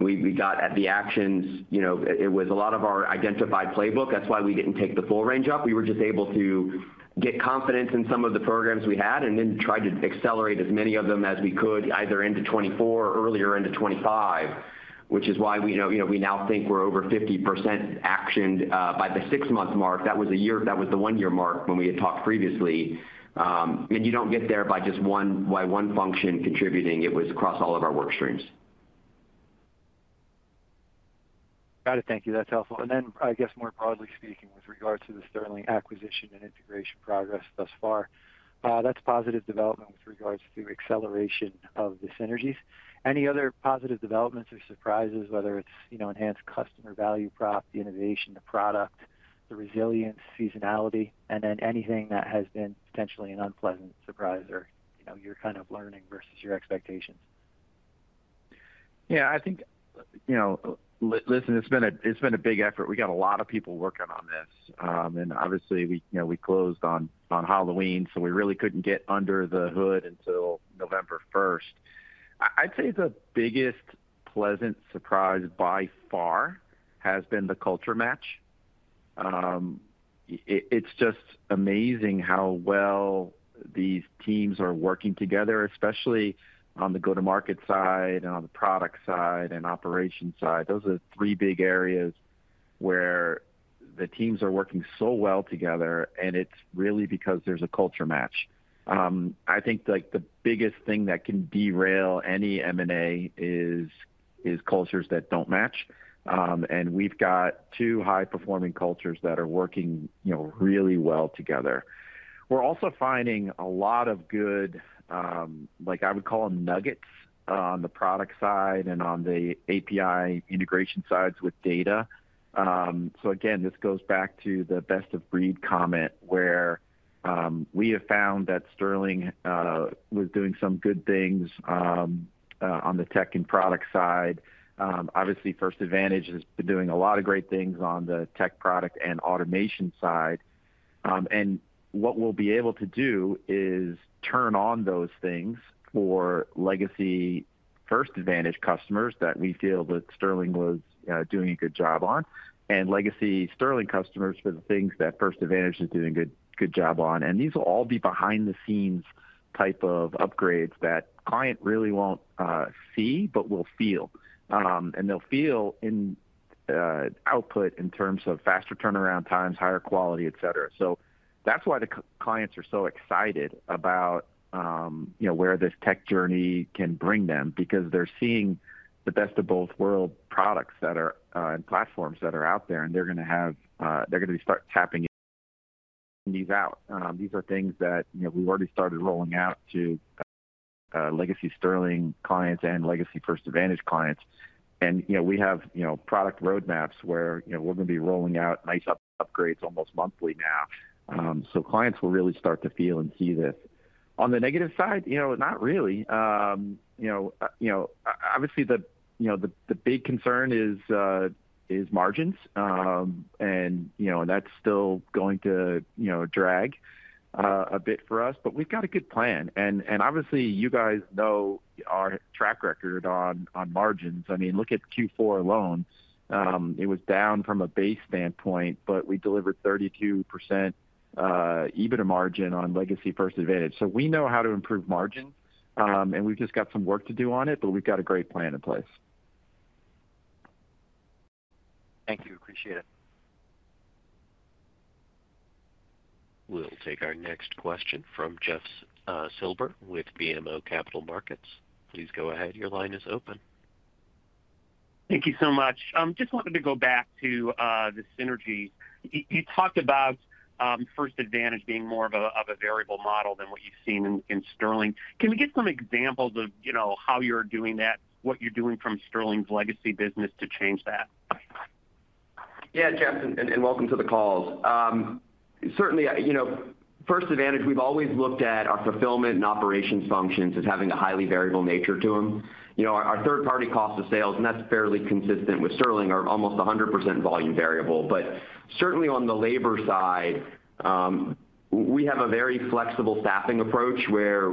We got at the actions. It was a lot of our identified playbook. That's why we didn't take the full range up. We were just able to get confidence in some of the programs we had and then tried to accelerate as many of them as we could either into 2024 or earlier into 2025, which is why we now think we're over 50% actioned by the six-month mark. That was the one-year mark when we had talked previously. And you don't get there by just one function contributing. It was across all of our work streams. Got it. Thank you. That's helpful. And then, I guess, more broadly speaking, with regards to the Sterling acquisition and integration progress thus far, that's positive development with regards to acceleration of the synergies. Any other positive developments or surprises, whether it's enhanced customer value prop, the innovation, the product, the resilience, seasonality, and then anything that has been potentially an unpleasant surprise or you're kind of learning versus your expectations? Yeah. I think, listen, it's been a big effort. We got a lot of people working on this. And obviously, we closed on Halloween, so we really couldn't get under the hood until November 1st, 2024. I'd say the biggest pleasant surprise by far has been the culture match. It's just amazing how well these teams are working together, especially on the go-to-market side and on the product side and operation side. Those are three big areas where the teams are working so well together, and it's really because there's a culture match. I think the biggest thing that can derail any M&A is cultures that don't match. And we've got two high-performing cultures that are working really well together. We're also finding a lot of good, I would call them nuggets, on the product side and on the API integration sides with data. So again, this goes back to the best-of-breed comment where we have found that Sterling was doing some good things on the tech and product side. Obviously, First Advantage has been doing a lot of great things on the tech product and automation side. What we'll be able to do is turn on those things for Legacy First Advantage customers that we feel that Sterling was doing a good job on and Legacy Sterling customers for the things that First Advantage is doing a good job on. These will all be behind-the-scenes type of upgrades that client really won't see but will feel. They'll feel in output in terms of faster turnaround times, higher quality, etc. That's why the clients are so excited about where this tech journey can bring them because they're seeing the best-of-both-worlds products and platforms that are out there, and they're going to start tapping these out. These are things that we've already started rolling out to Legacy Sterling clients and Legacy First Advantage clients. We have product roadmaps where we're going to be rolling out nice upgrades almost monthly now. So clients will really start to feel and see this. On the negative side, not really. Obviously, the big concern is margins, and that's still going to drag a bit for us. But we've got a good plan. And obviously, you guys know our track record on margins. I mean, look at Q4 alone. It was down from a base standpoint, but we delivered 32% EBITDA margin on Legacy First Advantage. So we know how to improve margins, and we've just got some work to do on it, but we've got a great plan in place. Thank you. Appreciate it. We'll take our next question from Jeff Silber with BMO Capital Markets. Please go ahead. Your line is open. Thank you so much. Just wanted to go back to the synergies. You talked about First Advantage being more of a variable model than what you've seen in Sterling. Can we get some examples of how you're doing that, what you're doing from Sterling's Legacy business to change that? Yeah, Jeff, and welcome to the call. Certainly, First Advantage, we've always looked at our fulfillment and operations functions as having a highly variable nature to them. Our third-party cost of sales, and that's fairly consistent with Sterling, are almost 100% volume variable. But certainly, on the labor side, we have a very flexible staffing approach where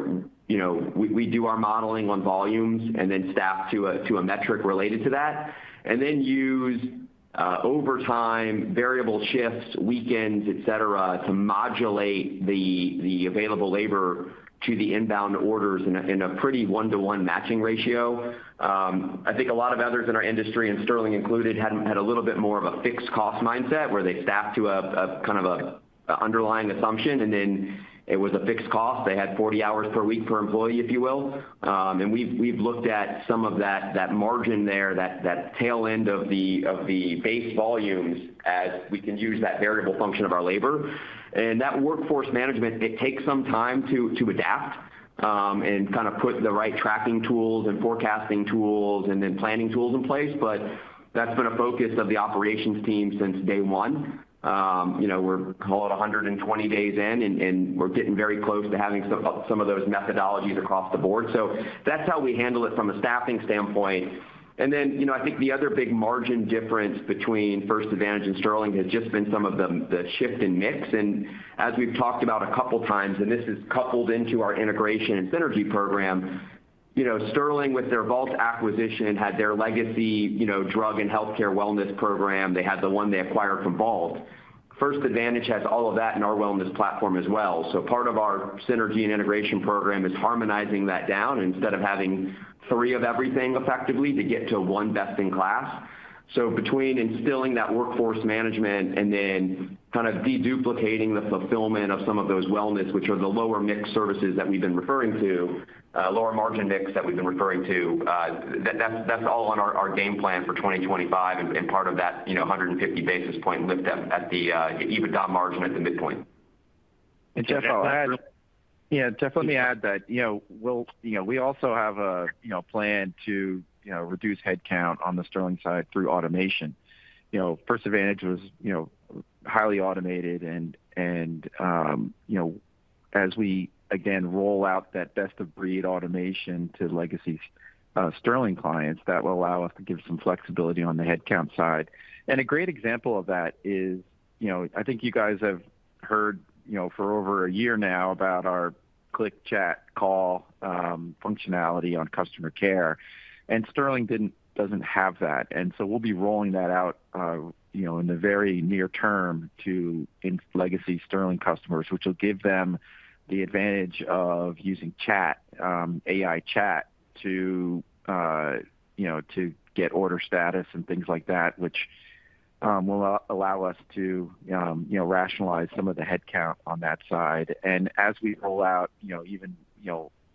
we do our modeling on volumes and then staff to a metric related to that, and then use overtime variable shifts, weekends, etc., to modulate the available labor to the inbound orders in a pretty one-to-one matching ratio. I think a lot of others in our industry, and Sterling included, had a little bit more of a fixed cost mindset where they staff to kind of an underlying assumption, and then it was a fixed cost. They had 40 hours per week per employee, if you will. And we've looked at some of that margin there, that tail end of the base volumes, as we can use that variable function of our labor. And that workforce management, it takes some time to adapt and kind of put the right tracking tools and forecasting tools and then planning tools in place. But that's been a focus of the operations team since day one. We're 120 days in, and we're getting very close to having some of those methodologies across the board. So that's how we handle it from a staffing standpoint. And then I think the other big margin difference between First Advantage and Sterling has just been some of the shift in mix. And as we've talked about a couple of times, and this is coupled into our integration and synergy program, Sterling, with their Vault acquisition, had their legacy drug and healthcare wellness program. They had the one they acquired from Vault. First Advantage has all of that in our wellness platform as well. So part of our synergy and integration program is harmonizing that down instead of having three of everything effectively to get to one best-in-class. So between instilling that workforce management and then kind of deduplicating the fulfillment of some of those wellness, which are the lower mix services that we've been referring to, lower margin mix that we've been referring to, that's all on our game plan for 2025 and part of that 150 basis points lift at the EBITDA margin at the midpoint. And Jeff, I'll add, yeah, Jeff, let me add that we also have a plan to reduce headcount on the Sterling side through automation. First Advantage was highly automated. And as we, again, roll out that best-of-breed automation to Legacy Sterling clients, that will allow us to give some flexibility on the headcount side. And a great example of that is I think you guys have heard for over a year now about our Click. Chat. Call. functionality on customer care. And Sterling doesn't have that. And so we'll be rolling that out in the very near term to Legacy Sterling customers, which will give them the advantage of using chat, AI chat, to get order status and things like that, which will allow us to rationalize some of the headcount on that side. And as we roll out even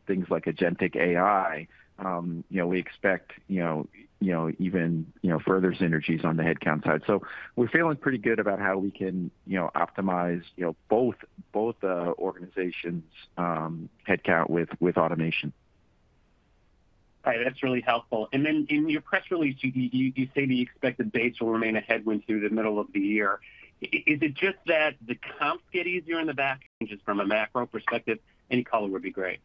things like agentic AI, we expect even further synergies on the headcount side. So we're feeling pretty good about how we can optimize both organizations' headcount with automation. All right. That's really helpful. And then in your press release, you say the expected base will remain a headwind through the middle of the year. Is it just that the comps get easier in the back? Changes from a macro perspective? Any color would be great?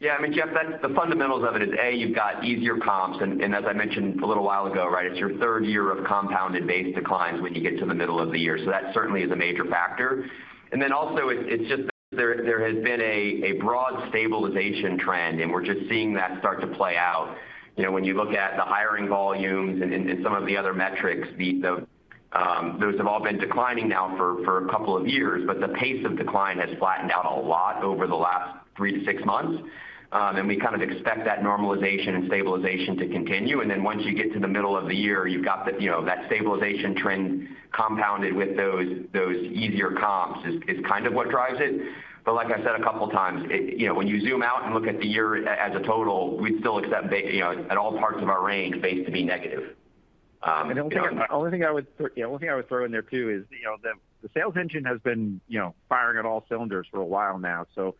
Yeah. I mean, Jeff, the fundamentals of it is, A, you've got easier comps. As I mentioned a little while ago, right, it's your third year of compounded base declines when you get to the middle of the year. So that certainly is a major factor. And then also, it's just that there has been a broad stabilization trend, and we're just seeing that start to play out. When you look at the hiring volumes and some of the other metrics, those have all been declining now for a couple of years, but the pace of decline has flattened out a lot over the last three to six months. And we kind of expect that normalization and stabilization to continue. And then once you get to the middle of the year, you've got that stabilization trend compounded with those easier comps is kind of what drives it. But like I said a couple of times, when you zoom out and look at the year as a total, we'd still expect at all parts of our range base to be negative. And I think the only thing I would throw in there too is the sales engine has been firing on all cylinders for a while now. So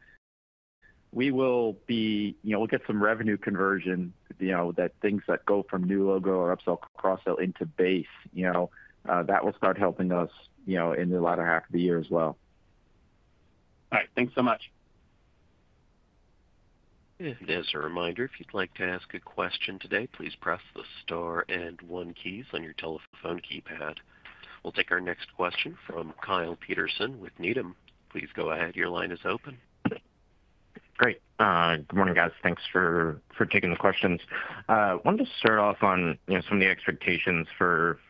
we'll get some revenue conversion, things that go from new logo or upsell cross-sell into base. That will start helping us in the latter half of the year as well. All right. Thanks so much. And as a reminder, if you'd like to ask a question today, please press the star and one keys on your telephone keypad. We'll take our next question from Kyle Peterson with Needham. Please go ahead. Your line is open. Great. Good morning, guys. Thanks for taking the questions. I wanted to start off on some of the expectations for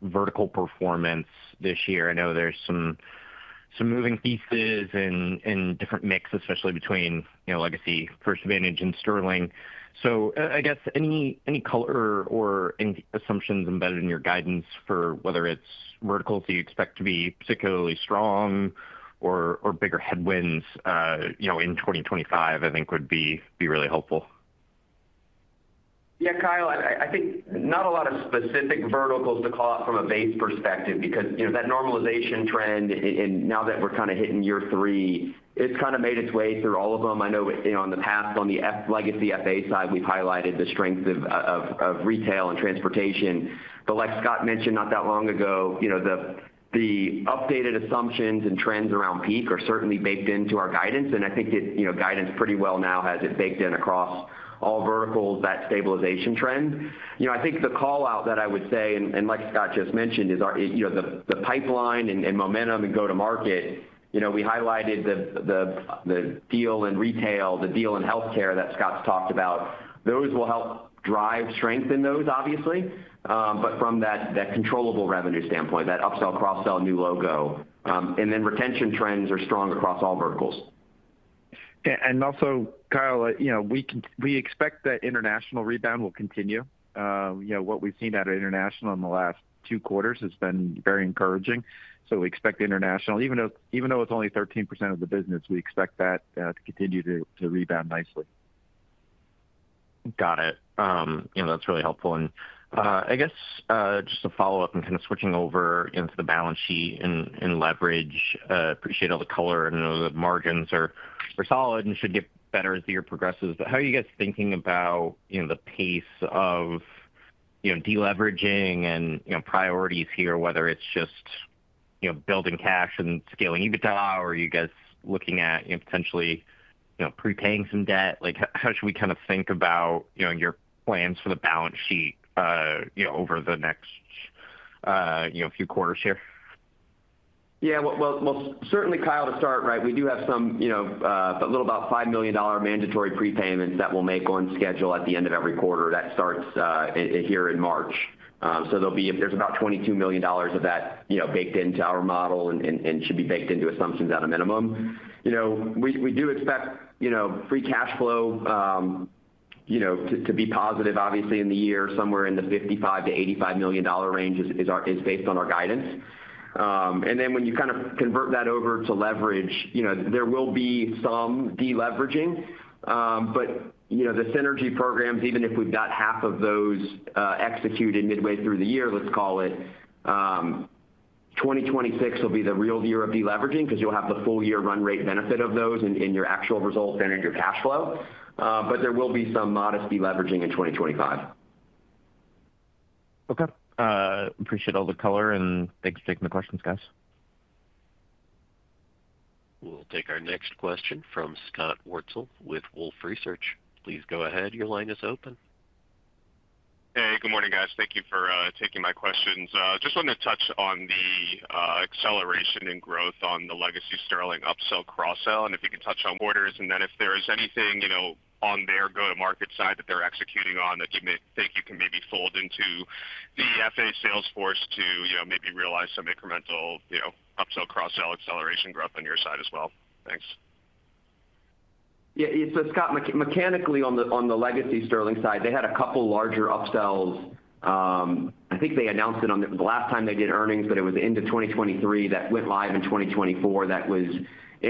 vertical performance this year. I know there's some moving pieces and different mix, especially between Legacy First Advantage and Sterling. So I guess any color or assumptions embedded in your guidance for whether it's verticals you expect to be particularly strong or bigger headwinds in 2025, I think would be really helpful. Yeah, Kyle, I think not a lot of specific verticals to call out from a base perspective because that normalization trend, and now that we're kind of hitting year three, it's kind of made its way through all of them. I know in the past, on the Legacy FA side, we've highlighted the strength of retail and transportation. But like Scott mentioned not that long ago, the updated assumptions and trends around peak are certainly baked into our guidance. I think that guidance pretty well now has it baked in across all verticals, that stabilization trend. I think the callout that I would say, and like Scott just mentioned, is the pipeline and momentum and go-to-market. We highlighted the deal in retail, the deal in healthcare that Scott's talked about. Those will help drive strength in those, obviously. From that controllable revenue standpoint, that upsell, cross-sell, new logo, and then retention trends are strong across all verticals. Also, Kyle, we expect that international rebound will continue. What we've seen out of international in the last two quarters has been very encouraging. We expect international, even though it's only 13% of the business, we expect that to continue to rebound nicely. Got it. That's really helpful. I guess just to follow up and kind of switching over into the balance sheet and leverage, appreciate all the color and the margins are solid and should get better as the year progresses. How are you guys thinking about the pace of deleveraging and priorities here, whether it's just building cash and scaling EBITDA, or are you guys looking at potentially prepaying some debt? How should we kind of think about your plans for the balance sheet over the next few quarters here? Yeah. Certainly, Kyle, to start, right, we do have a little about $5 million mandatory prepayments that we'll make on schedule at the end of every quarter. That starts here in March 2025. So there's about $22 million of that baked into our model and should be baked into assumptions at a minimum. We do expect free cash flow to be positive, obviously, in the year. Somewhere in the $55 million-$85 million range is based on our guidance. And then when you kind of convert that over to leverage, there will be some deleveraging. But the synergy programs, even if we've got half of those executed midway through the year, let's call it 2026 will be the real year of deleveraging because you'll have the full year run rate benefit of those in your actual results and in your cash flow. But there will be some modest deleveraging in 2025. Okay. Appreciate all the color, and thanks for taking the questions, guys. We'll take our next question from Scott Wurtzel with Wolfe Research. Please go ahead. Your line is open. Hey, good morning, guys. Thank you for taking my questions. Just wanted to touch on the acceleration and growth on the Legacy Sterling upsell cross-sell. And if you can touch on quarters, and then if there is anything on their go-to-market side that they're executing on that you think you can maybe fold into the FA salesforce to maybe realize some incremental upsell cross-sell acceleration growth on your side as well. Thanks. Yeah. So Scott, mechanically on the Legacy Sterling side, they had a couple of larger upsells. I think they announced it on the last time they did earnings, but it was into 2023 that went live in 2024 that was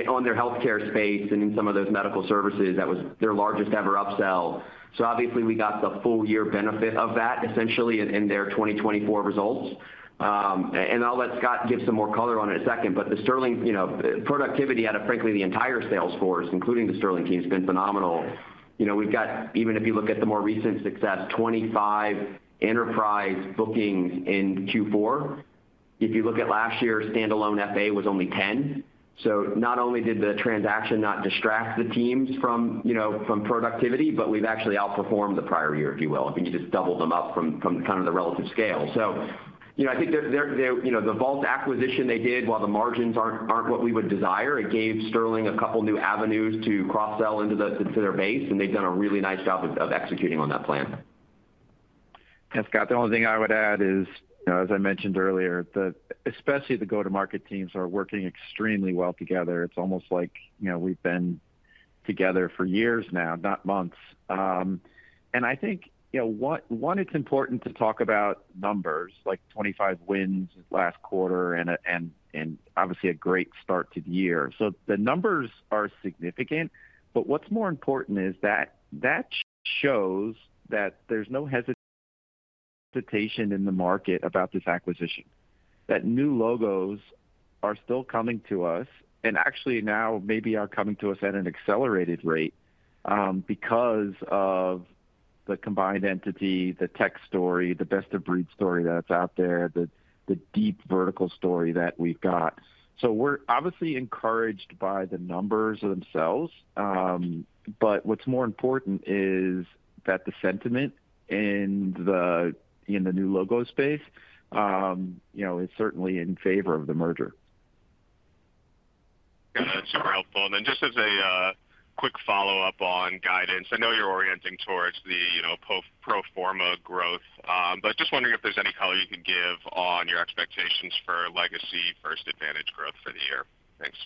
on their healthcare space and in some of those medical services. That was their largest ever upsell. So obviously, we got the full year benefit of that essentially in their 2024 results. And I'll let Scott give some more color on it in a second. But the Sterling productivity out of, frankly, the entire salesforce, including the Sterling team, has been phenomenal. We've got, even if you look at the more recent success, 25 enterprise bookings in Q4. If you look at last year, standalone FA was only 10. So not only did the transaction not distract the teams from productivity, but we've actually outperformed the prior year, if you will, if you just doubled them up from kind of the relative scale. So I think the Vault acquisition they did, while the margins aren't what we would desire, it gave Sterling a couple of new avenues to cross-sell into their base, and they've done a really nice job of executing on that plan. And Scott, the only thing I would add is, as I mentioned earlier, especially the go-to-market teams are working extremely well together. It's almost like we've been together for years now, not months, and I think one, it's important to talk about numbers like 25 wins last quarter and obviously a great start to the year, so the numbers are significant, but what's more important is that that shows that there's no hesitation in the market about this acquisition, that new logos are still coming to us, and actually now maybe are coming to us at an accelerated rate because of the combined entity, the tech story, the best-of-breed story that's out there, the deep vertical story that we've got, so we're obviously encouraged by the numbers themselves, but what's more important is that the sentiment in the new logo space is certainly in favor of the merger. Got it. Super helpful. And then just as a quick follow-up on guidance, I know you're orienting towards the pro forma growth, but just wondering if there's any color you can give on your expectations for Legacy First Advantage growth for the year. Thanks.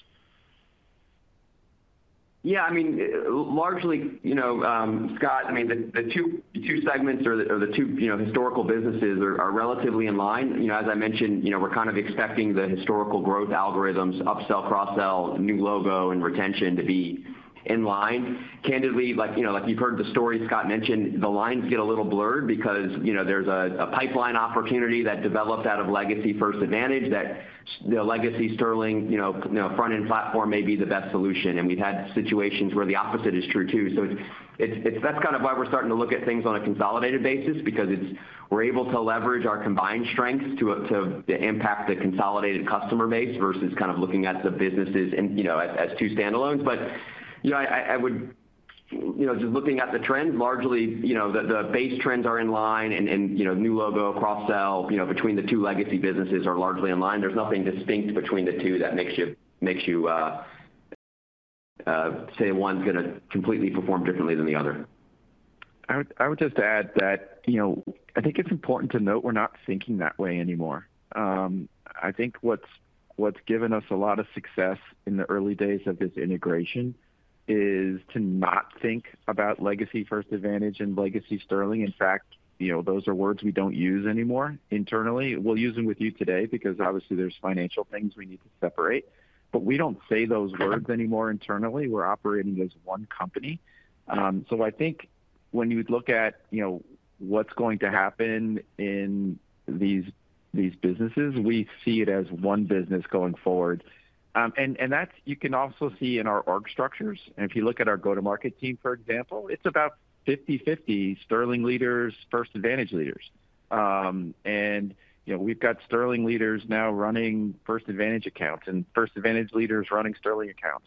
Yeah. I mean, largely, Scott, I mean, the two segments or the two historical businesses are relatively in line. As I mentioned, we're kind of expecting the historical growth algorithms, upsell, cross-sell, new logo, and retention to be in line. Candidly, like you've heard the story Scott mentioned, the lines get a little blurred because there's a pipeline opportunity that developed out of Legacy First Advantage that the Legacy Sterling front-end platform may be the best solution. And we've had situations where the opposite is true too. So that's kind of why we're starting to look at things on a consolidated basis because we're able to leverage our combined strengths to impact the consolidated customer base versus kind of looking at the businesses as two standalones. But I would, just looking at the trends, largely the base trends are in line, and new logo, cross-sell between the two legacy businesses are largely in line. There's nothing distinct between the two that makes you say one's going to completely perform differently than the other. I would just add that I think it's important to note we're not thinking that way anymore. I think what's given us a lot of success in the early days of this integration is to not think about Legacy First Advantage and Legacy Sterling. In fact, those are words we don't use anymore internally. We'll use them with you today because obviously there's financial things we need to separate. But we don't say those words anymore internally. We're operating as one company. So I think when you look at what's going to happen in these businesses, we see it as one business going forward. And you can also see in our org structures. And if you look at our go-to-market team, for example, it's about 50/50 Sterling leaders, First Advantage leaders. And we've got Sterling leaders now running First Advantage accounts and First Advantage leaders running Sterling accounts.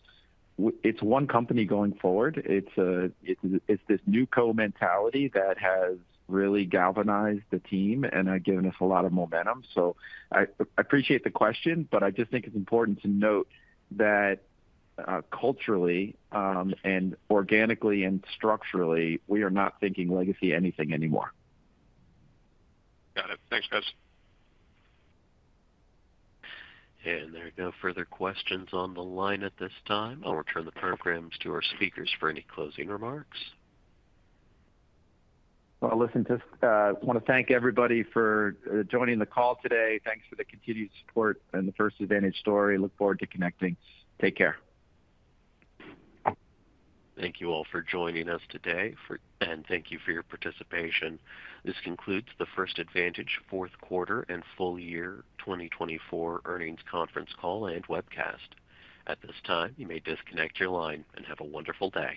It's one company going forward. It's this NewCo mentality that has really galvanized the team and given us a lot of momentum. So I appreciate the question, but I just think it's important to note that culturally and organically and structurally, we are not thinking legacy anything anymore. Got it. Thanks, guys. There are no further questions on the line at this time. I'll return the call to our speakers for any closing remarks. Listen, just want to thank everybody for joining the call today. Thanks for the continued support and the First Advantage story. Look forward to connecting. Take care. Thank you all for joining us today, and thank you for your participation. This concludes the First Advantage fourth quarter and full year 2024 earnings conference call and webcast. At this time, you may disconnect your line and have a wonderful day.